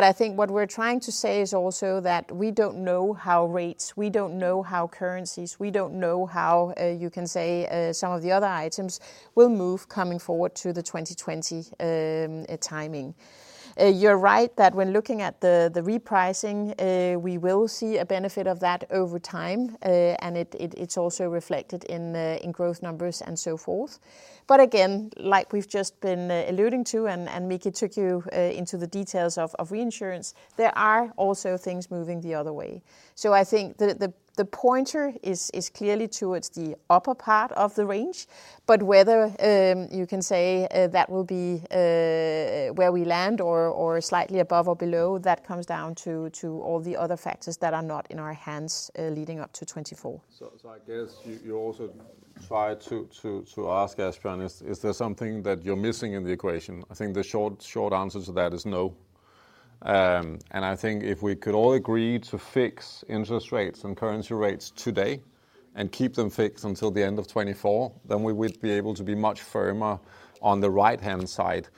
I think what we're trying to say is also that we don't know how rates, we don't know how currencies, we don't know how, you can say, some of the other items will move coming forward to the 2020 timing. You're right that when looking at the repricing, we will see a benefit of that over time. It's also reflected in growth numbers and so forth. Again, like we've just been alluding to and Mikael took you into the details of reinsurance, there are also things moving the other way. I think the pointer is clearly towards the upper part of the range, but whether, you can say, that will be where we land or slightly above or below, that comes down to all the other factors that are not in our hands, leading up to 2024. I guess you also try to ask, Asbjørn, is there something that you're missing in the equation? I think the short answer to that is no. I think if we could all agree to fix interest rates and currency rates today and keep them fixed until the end of 2024, then we would be able to be much firmer on the right-hand side.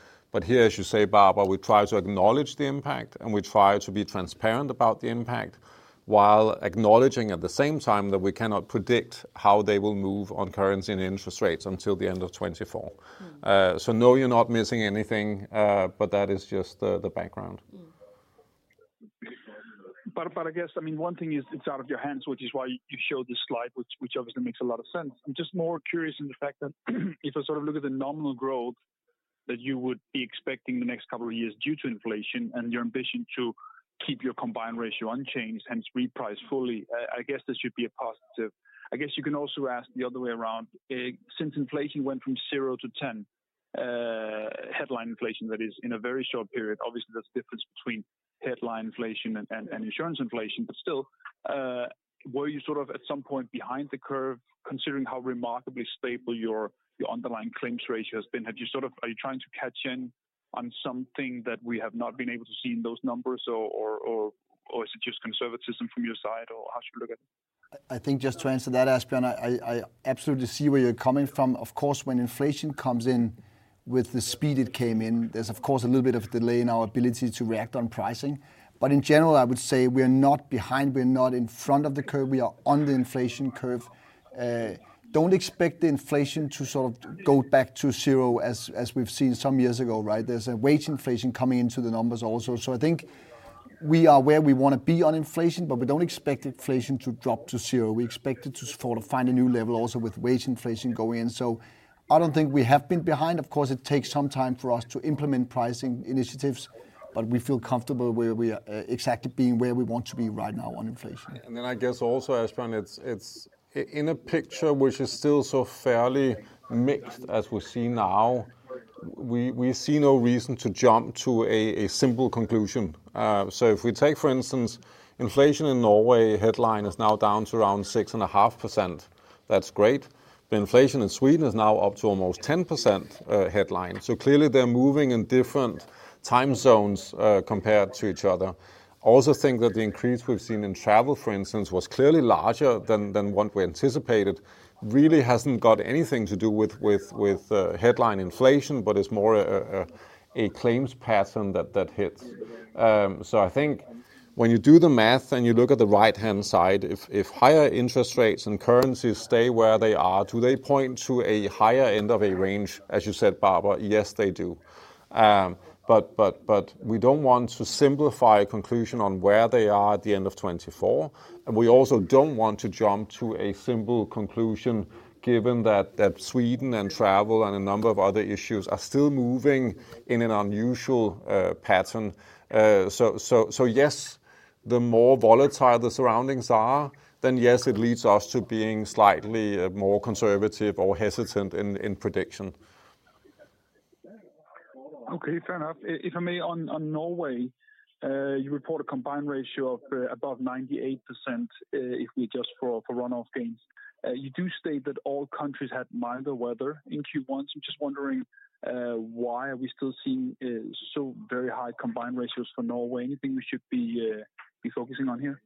Here, as you say, Barbara, we try to acknowledge the impact, and we try to be transparent about the impact while acknowledging at the same time that we cannot predict how they will move on currency and interest rates until the end of 2024. No, you're not missing anything, but that is just the background. I guess, I mean, one thing is it's out of your hands, which is why you showed this Slide, which obviously makes a lot of sense. I'm just more curious in the fact that if I sort of look at the nominal growth that you would be expecting the next couple of years due to inflation and your ambition to keep your combined ratio unchanged, hence reprice fully, I guess this should be a positive. I guess you can also ask the other way around. Since inflation went from 0 to 10, headline inflation that is in a very short period, obviously there's a difference between headline inflation and insurance inflation. Still, were you sort of at some point behind the curve considering how remarkably stable your underlying claims ratio has been? Are you trying to catch in on something that we have not been able to see in those numbers? Or is it just conservatism from your side? Or how should we look at it? I think just to answer that, Asbjørn, I absolutely see where you're coming from. Of course, when inflation comes in with the speed it came in, there's of course a little bit of delay in our ability to react on pricing. In general, I would say we are not behind, we're not in front of the curve, we are on the inflation curve. Don't expect the inflation to sort of go back to 0 as we've seen some years ago, right? There's a wage inflation coming into the numbers also. I think we are where we want to be on inflation, but we don't expect inflation to drop to 0. We expect it to sort of find a new level also with wage inflation going in. I don't think we have been behind. Of course, it takes some time for us to implement pricing initiatives, but we feel comfortable where we are, exactly being where we want to be right now on inflation. I guess also, Asbjørn, it's in a picture which is still so fairly mixed as we see now, we see no reason to jump to a simple conclusion. If we take, for instance, inflation in Norway, headline is now down to around 6.5%. That's great. The inflation in Sweden is now up to almost 10%, headline. Clearly they're moving in different time zones compared to each other. I also think that the increase we've seen in travel, for instance, was clearly larger than what we anticipated. Really hasn't got anything to do with headline inflation, but it's more a claims pattern that hits. I think when you do the math and you look at the right-hand side, if higher interest rates and currencies stay where they are, do they point to a higher end of a range, as you said, Barbara? Yes, they do. We don't want to simplify a conclusion on where they are at the end of 2024. We also don't want to jump to a simple conclusion given that Sweden and travel and a number of other issues are still moving in an unusual pattern. Yes, the more volatile the surroundings are, then yes, it leads us to being slightly more conservative or hesitant in prediction. Okay, fair enough. If I may, on Norway, you report a combined ratio of above 98%, if we adjust for run-off gains. You do state that all countries had milder weather in Q1, so I'm just wondering, why are we still seeing so very high combined ratios for Norway? Anything we should be focusing on here?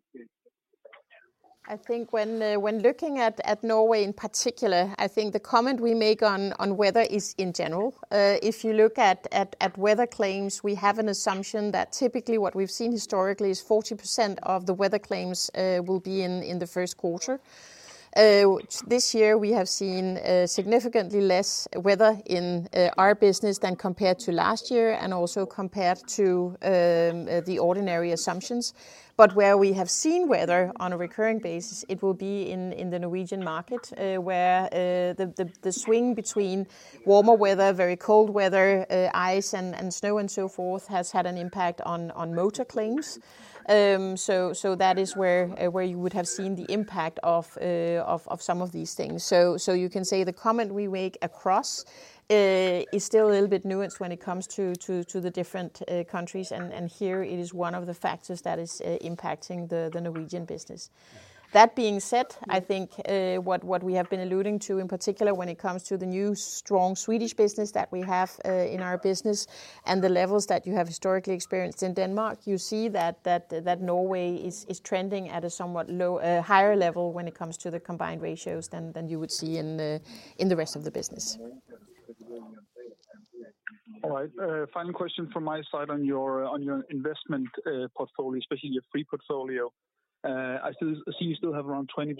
I think when looking at Norway in particular, I think the comment we make on weather is in general. If you look at weather claims, we have an assumption that typically what we've seen historically is 40% of the weather claims will be in the first quarter. This year we have seen significantly less weather in our business than compared to last year and also compared to the ordinary assumptions. Where we have seen weather on a recurring basis, it will be in the Norwegian market, where the swing between warmer weather, very cold weather, ice and snow and so forth, has had an impact on motor claims. That is where you would have seen the impact of some of these things. You can say the comment we make across is still a little bit nuanced when it comes to the different countries. Here it is one of the factors that is impacting the Norwegian business. That being said, I think what we have been alluding to in particular when it comes to the new strong Swedish business that we have in our business and the levels that you have historically experienced in Denmark, you see that Norway is trending at a somewhat higher level when it comes to the combined ratios than you would see in the rest of the business. All right. Final question from my side on your, on your investment portfolio, especially your free portfolio. I still see you still have around 20%,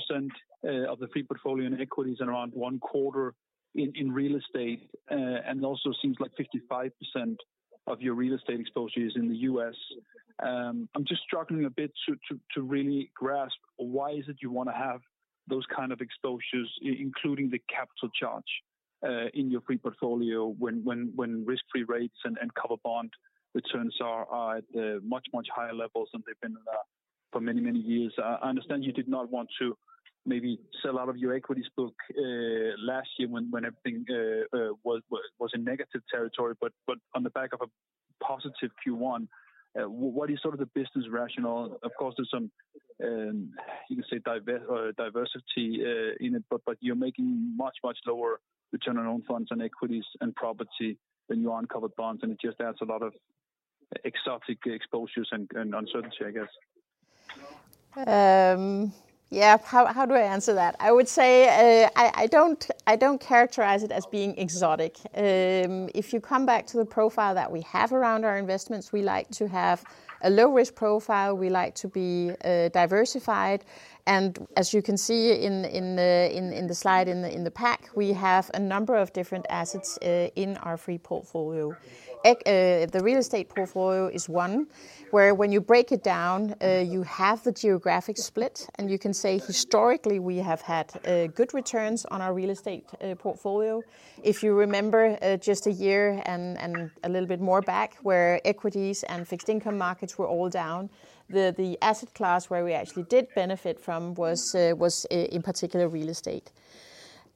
of the free portfolio in equities and around one quarter in real estate. It also seems like 55% of your real estate exposure is in the U.S. I'm just struggling a bit to really grasp why is it you wanna have those kind of exposures including the capital charge, in your free portfolio when risk-free rates and covered bond returns are at much, much higher levels than they've been for many years. I understand you did not want to maybe sell out of your equities book, last year when everything was in negative territory, but on the back of a positive Q1, what is sort of the business rationale? Of course, there's some, you can say diversity in it, but you're making much lower return on own funds and equities and property than you are on covered bonds, and it just adds a lot of exotic exposures and uncertainty, I guess. How do I answer that? I would say, I don't characterize it as being exotic. If you come back to the profile that we have around our investments, we like to have a low risk profile. We like to be diversified. As you can see in the Slide in the pack, we have a number of different assets in our free portfolio. The real estate portfolio is one where when you break it down, you have the geographic split, and you can say historically we have had good returns on our real estate portfolio. If you remember, just a year and a little bit more back, where equities and fixed income markets were all down, the asset class where we actually did benefit from was in particular real estate.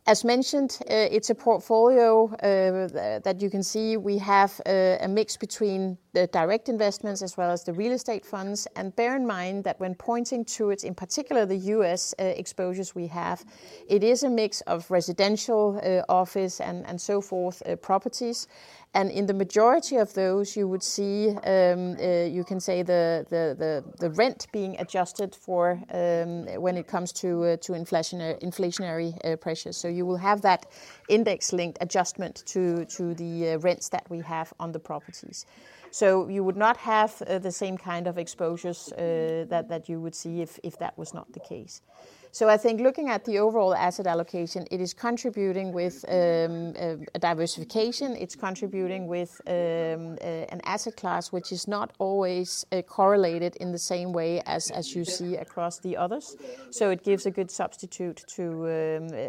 As mentioned, it's a portfolio that you can see we have a mix between the direct investments as well as the real estate funds. Bear in mind that when pointing to it, in particular the U.S., exposures we have, it is a mix of residential, office and so forth, properties. In the majority of those you would see, you can say the rent being adjusted for, when it comes to inflationary pressures. You will have that index linked adjustment to the rents that we have on the properties. You would not have the same kind of exposures that you would see if that was not the case. I think looking at the overall asset allocation, it is contributing with a diversification. It's contributing with an asset class which is not always correlated in the same way as you see across the others. It gives a good substitute to,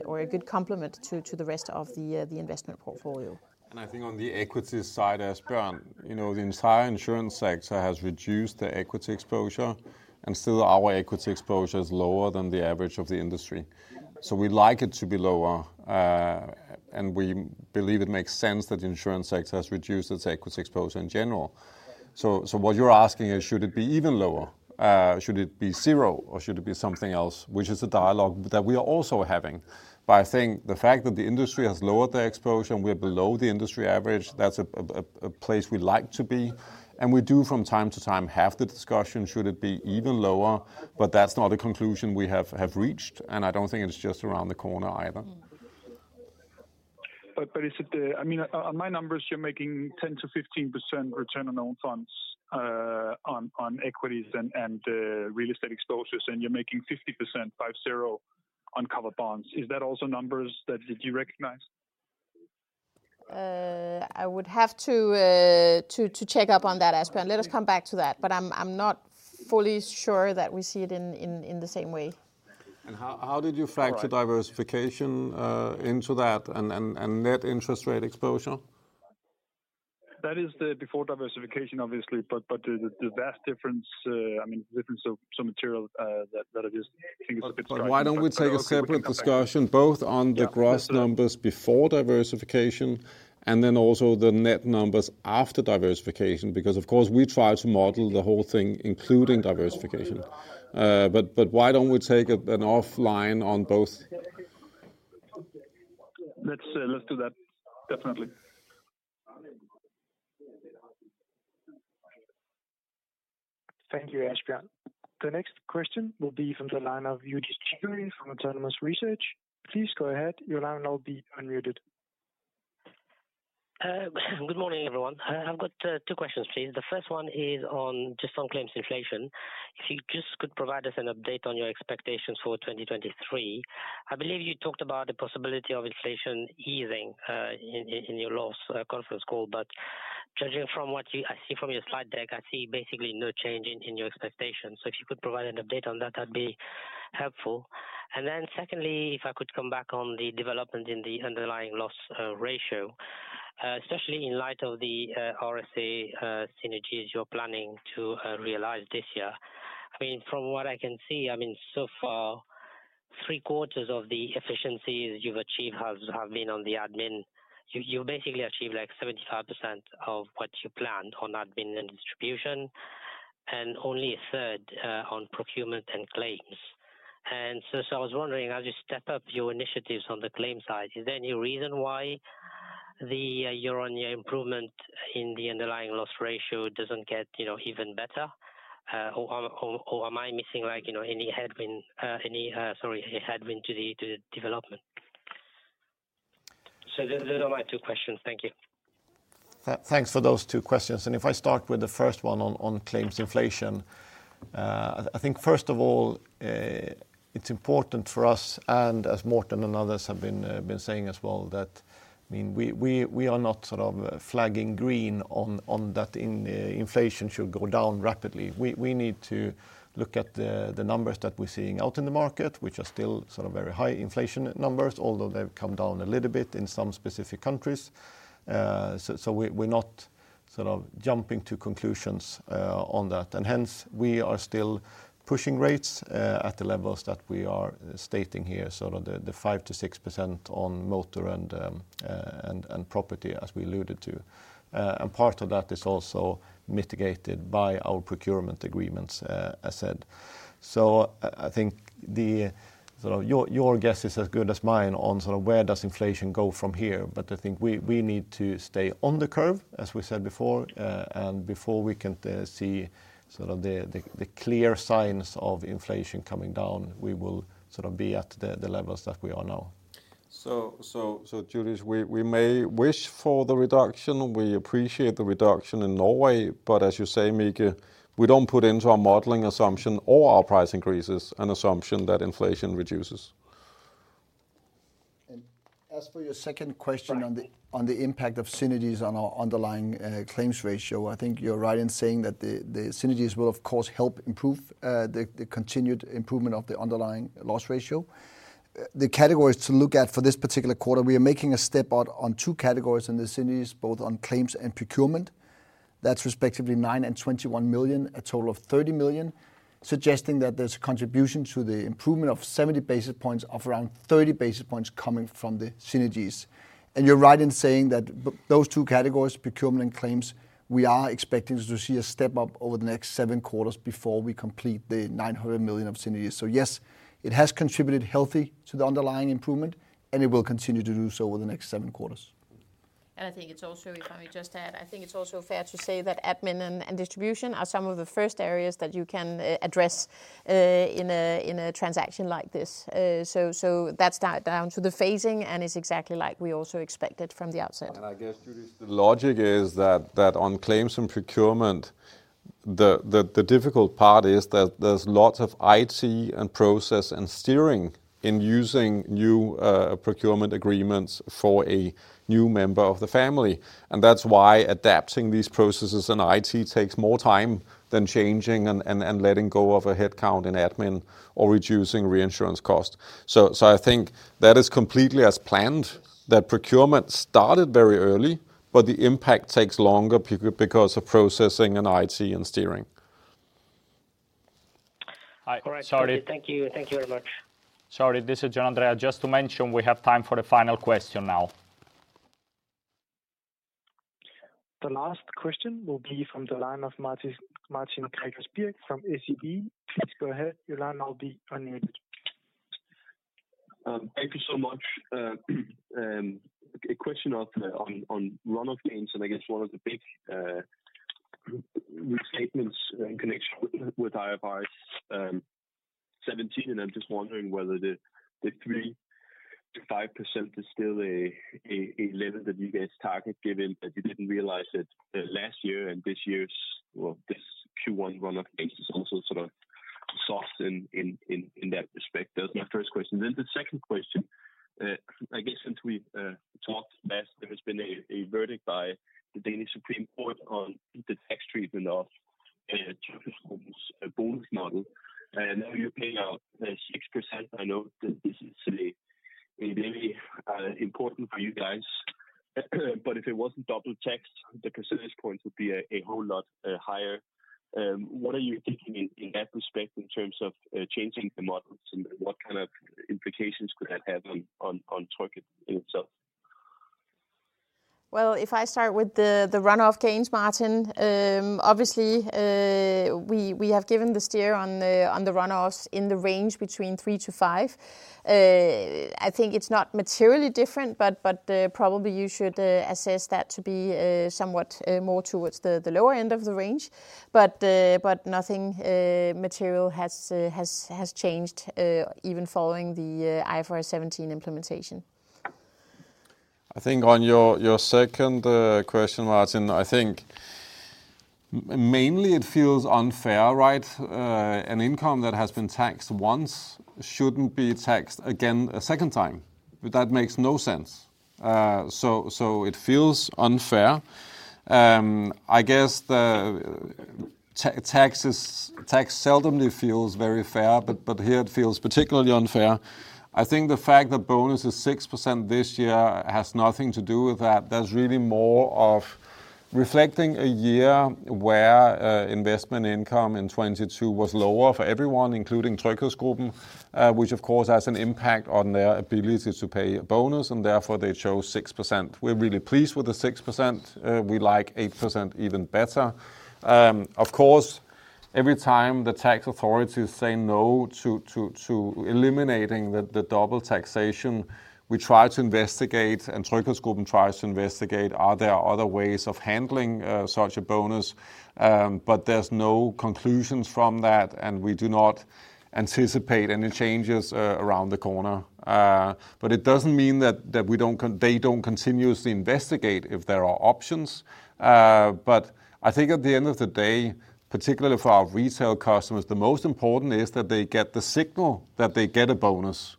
or a good complement to the rest of the investment portfolio. I think on the equity side, Asbjørn, you know, the entire insurance sector has reduced their equity exposure, and still our equity exposure is lower than the average of the industry. We like it to be lower, and we believe it makes sense that the insurance sector has reduced its equity exposure in general. What you're asking is should it be even lower? Should it be zero, or should it be something else? Which is a dialogue that we are also having. I think the fact that the industry has lowered their exposure and we're below the industry average, that's a place we like to be, and we do from time to time have the discussion, should it be even lower? That's not a conclusion we have reached, and I don't think it's just around the corner either. Is it, I mean, on my numbers, you're making 10%-15% return on own funds, on equities and real estate exposures, and you're making 50% on covered bonds. Is that also numbers that you recognize? I would have to check up on that, Asbjørn. Let us come back to that. I'm not fully sure that we see it in the same way. How did you factor diversification into that and net interest rate exposure? That is the before diversification obviously, but the vast difference, I mean, the difference of some material, that I just think it's a bit surprising. Why don't we take a separate discussion both on the gross numbers before diversification and then also the net numbers after diversification? Of course we try to model the whole thing including diversification. Why don't we take an offline on both? Let's do that. Definitely. Thank you, Asbjørn. The next question will be from the line of Youdish Chicooree from Autonomous Research. Please go ahead. Your line will now be unmuted. Good morning, everyone. I've got two questions, please. The first one is just on claims inflation. If you just could provide us an update on your expectations for 2023. I believe you talked about the possibility of inflation easing in your last conference call. Judging from what I see from your Slide deck, I see basically no change in your expectations. If you could provide an update on that'd be helpful. Secondly, if I could come back on the development in the underlying loss ratio, especially in light of the RSA synergies you're planning to realize this year. I mean, from what I can see, I mean, so far three-quarters of the efficiencies you've achieved have been on the admin. You basically achieved like 75% of what you planned on admin and distribution, and only a third on procurement and claims. I was wondering, as you step up your initiatives on the claim side, is there any reason why the year-over-year improvement in the underlying loss ratio doesn't get, you know, even better? Or am I missing like, you know, headwind, sorry, a headwind to the development? Those are my two questions. Thank you. Thanks for those two questions. If I start with the first one on claims inflation, I think first of all, it's important for us, and as Morten and others have been saying as well, that, I mean, we are not sort of flagging green on that inflation should go down rapidly. We need to look at the numbers that we're seeing out in the market, which are still sort of very high inflation numbers, although they've come down a little bit in some specific countries. So we're not sort of jumping to conclusions on that. Hence, we are still pushing rates at the levels that we are stating here, sort of the 5%-6% on motor and property as we alluded to. Part of that is also mitigated by our procurement agreements, as said. I think the sort of your guess is as good as mine on sort of where does inflation go from here. I think we need to stay on the curve, as we said before we can see sort of the clear signs of inflation coming down, we will sort of be at the levels that we are now. Youdish, we may wish for the reduction. We appreciate the reduction in Norway, as you say, Mikael, we don't put into our modeling assumption or our price increases an assumption that inflation reduces. As for your second question. Right. On the impact of synergies on our underlying claims ratio, I think you're right in saying that the synergies will of course help improve the continued improvement of the underlying loss ratio. The categories to look at for this particular quarter, we are making a step up on two categories in the synergies, both on claims and procurement. That's respectively 9 million and 21 million, a total of 30 million, suggesting that there's a contribution to the improvement of 70 basis points of around 30 basis points coming from the synergies. You're right in saying that those two categories, procurement and claims, we are expecting to see a step up over the next 7 quarters before we complete the 900 million of synergies. Yes, it has contributed healthy to the underlying improvement, and it will continue to do so over the next 7 quarters. I think it's also, if I may just add, I think it's also fair to say that admin and distribution are some of the first areas that you can address in a, in a transaction like this. So that's down to the phasing, and it's exactly like we also expected from the outset. I guess, Youdish, the logic is that on claims and procurement, the difficult part is that there's lots of IT and process and steering in using new procurement agreements for a new member of the family. That's why adapting these processes in IT takes more time than changing and letting go of a headcount in admin or reducing reinsurance cost. I think that is completely as planned, that procurement started very early, but the impact takes longer because of processing and IT and steering. All right. Thank you. Thank you very much. Sorry, this is Gianandrea Roberti. Just to mention, we have time for a final question now. The last question will be from the line of Martin Gregersberg from SEB. Please go ahead. Your line will now be unmuted. Thank you so much. A question on run-off gains, and I guess one of the big restatements in connection with IFRS 17, and I'm just wondering whether the 3%-5% is still a level that you guys target, given that you didn't realize it last year and this year's, well, this Q1 run-off gains is also sort of soft in that respect. That was my first question. The second question, I guess since we've talked last, there has been a verdict by the Danish Supreme Court on the tax treatment of Tryg bonus model. Now you're paying out 6%. I know that this is a very important for you guys. If it wasn't double taxed, the percentage points would be a whole lot higher. What are you thinking in that respect in terms of changing the models, and what kind of implications could that have on Tryg itself? Well, if I start with the run off gains, Martin, obviously. We have given the steer on the run-offs in the range between 3 to 5. I think it's not materially different, but probably you should assess that to be somewhat more towards the lower end of the range. Nothing material has changed even following the IFRS 17 implementation. I think on your second question, Martin, I think mainly it feels unfair, right? An income that has been taxed once shouldn't be taxed again a second time. That makes no sense. It feels unfair. I guess tax seldomly feels very fair, but here it feels particularly unfair. I think the fact that bonus is 6% this year has nothing to do with that. That's really more of reflecting a year where investment income in 2022 was lower for everyone, including TryghedsGruppen, which of course has an impact on their ability to pay a bonus, and therefore they chose 6%. We're really pleased with the 6%. We like 8% even better. Of course, every time the tax authorities say no to eliminating the double taxation, we try to investigate, and TryghedsGruppen tries to investigate are there other ways of handling such a bonus. There's no conclusions from that, and we do not anticipate any changes around the corner. It doesn't mean that we don't continuously investigate if there are options. I think at the end of the day, particularly for our retail customers, the most important is that they get the signal that they get a bonus.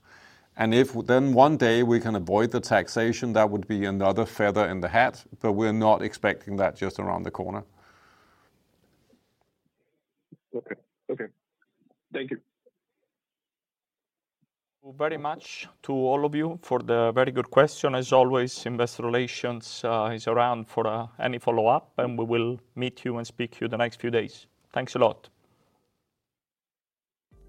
If then one day we can avoid the taxation, that would be another feather in the hat. We're not expecting that just around the corner. Okay. Okay. Thank you. Very much to all of you for the very good question. As always, Investor Relations is around for any follow-up, we will meet you and speak to you the next few days. Thanks a lot.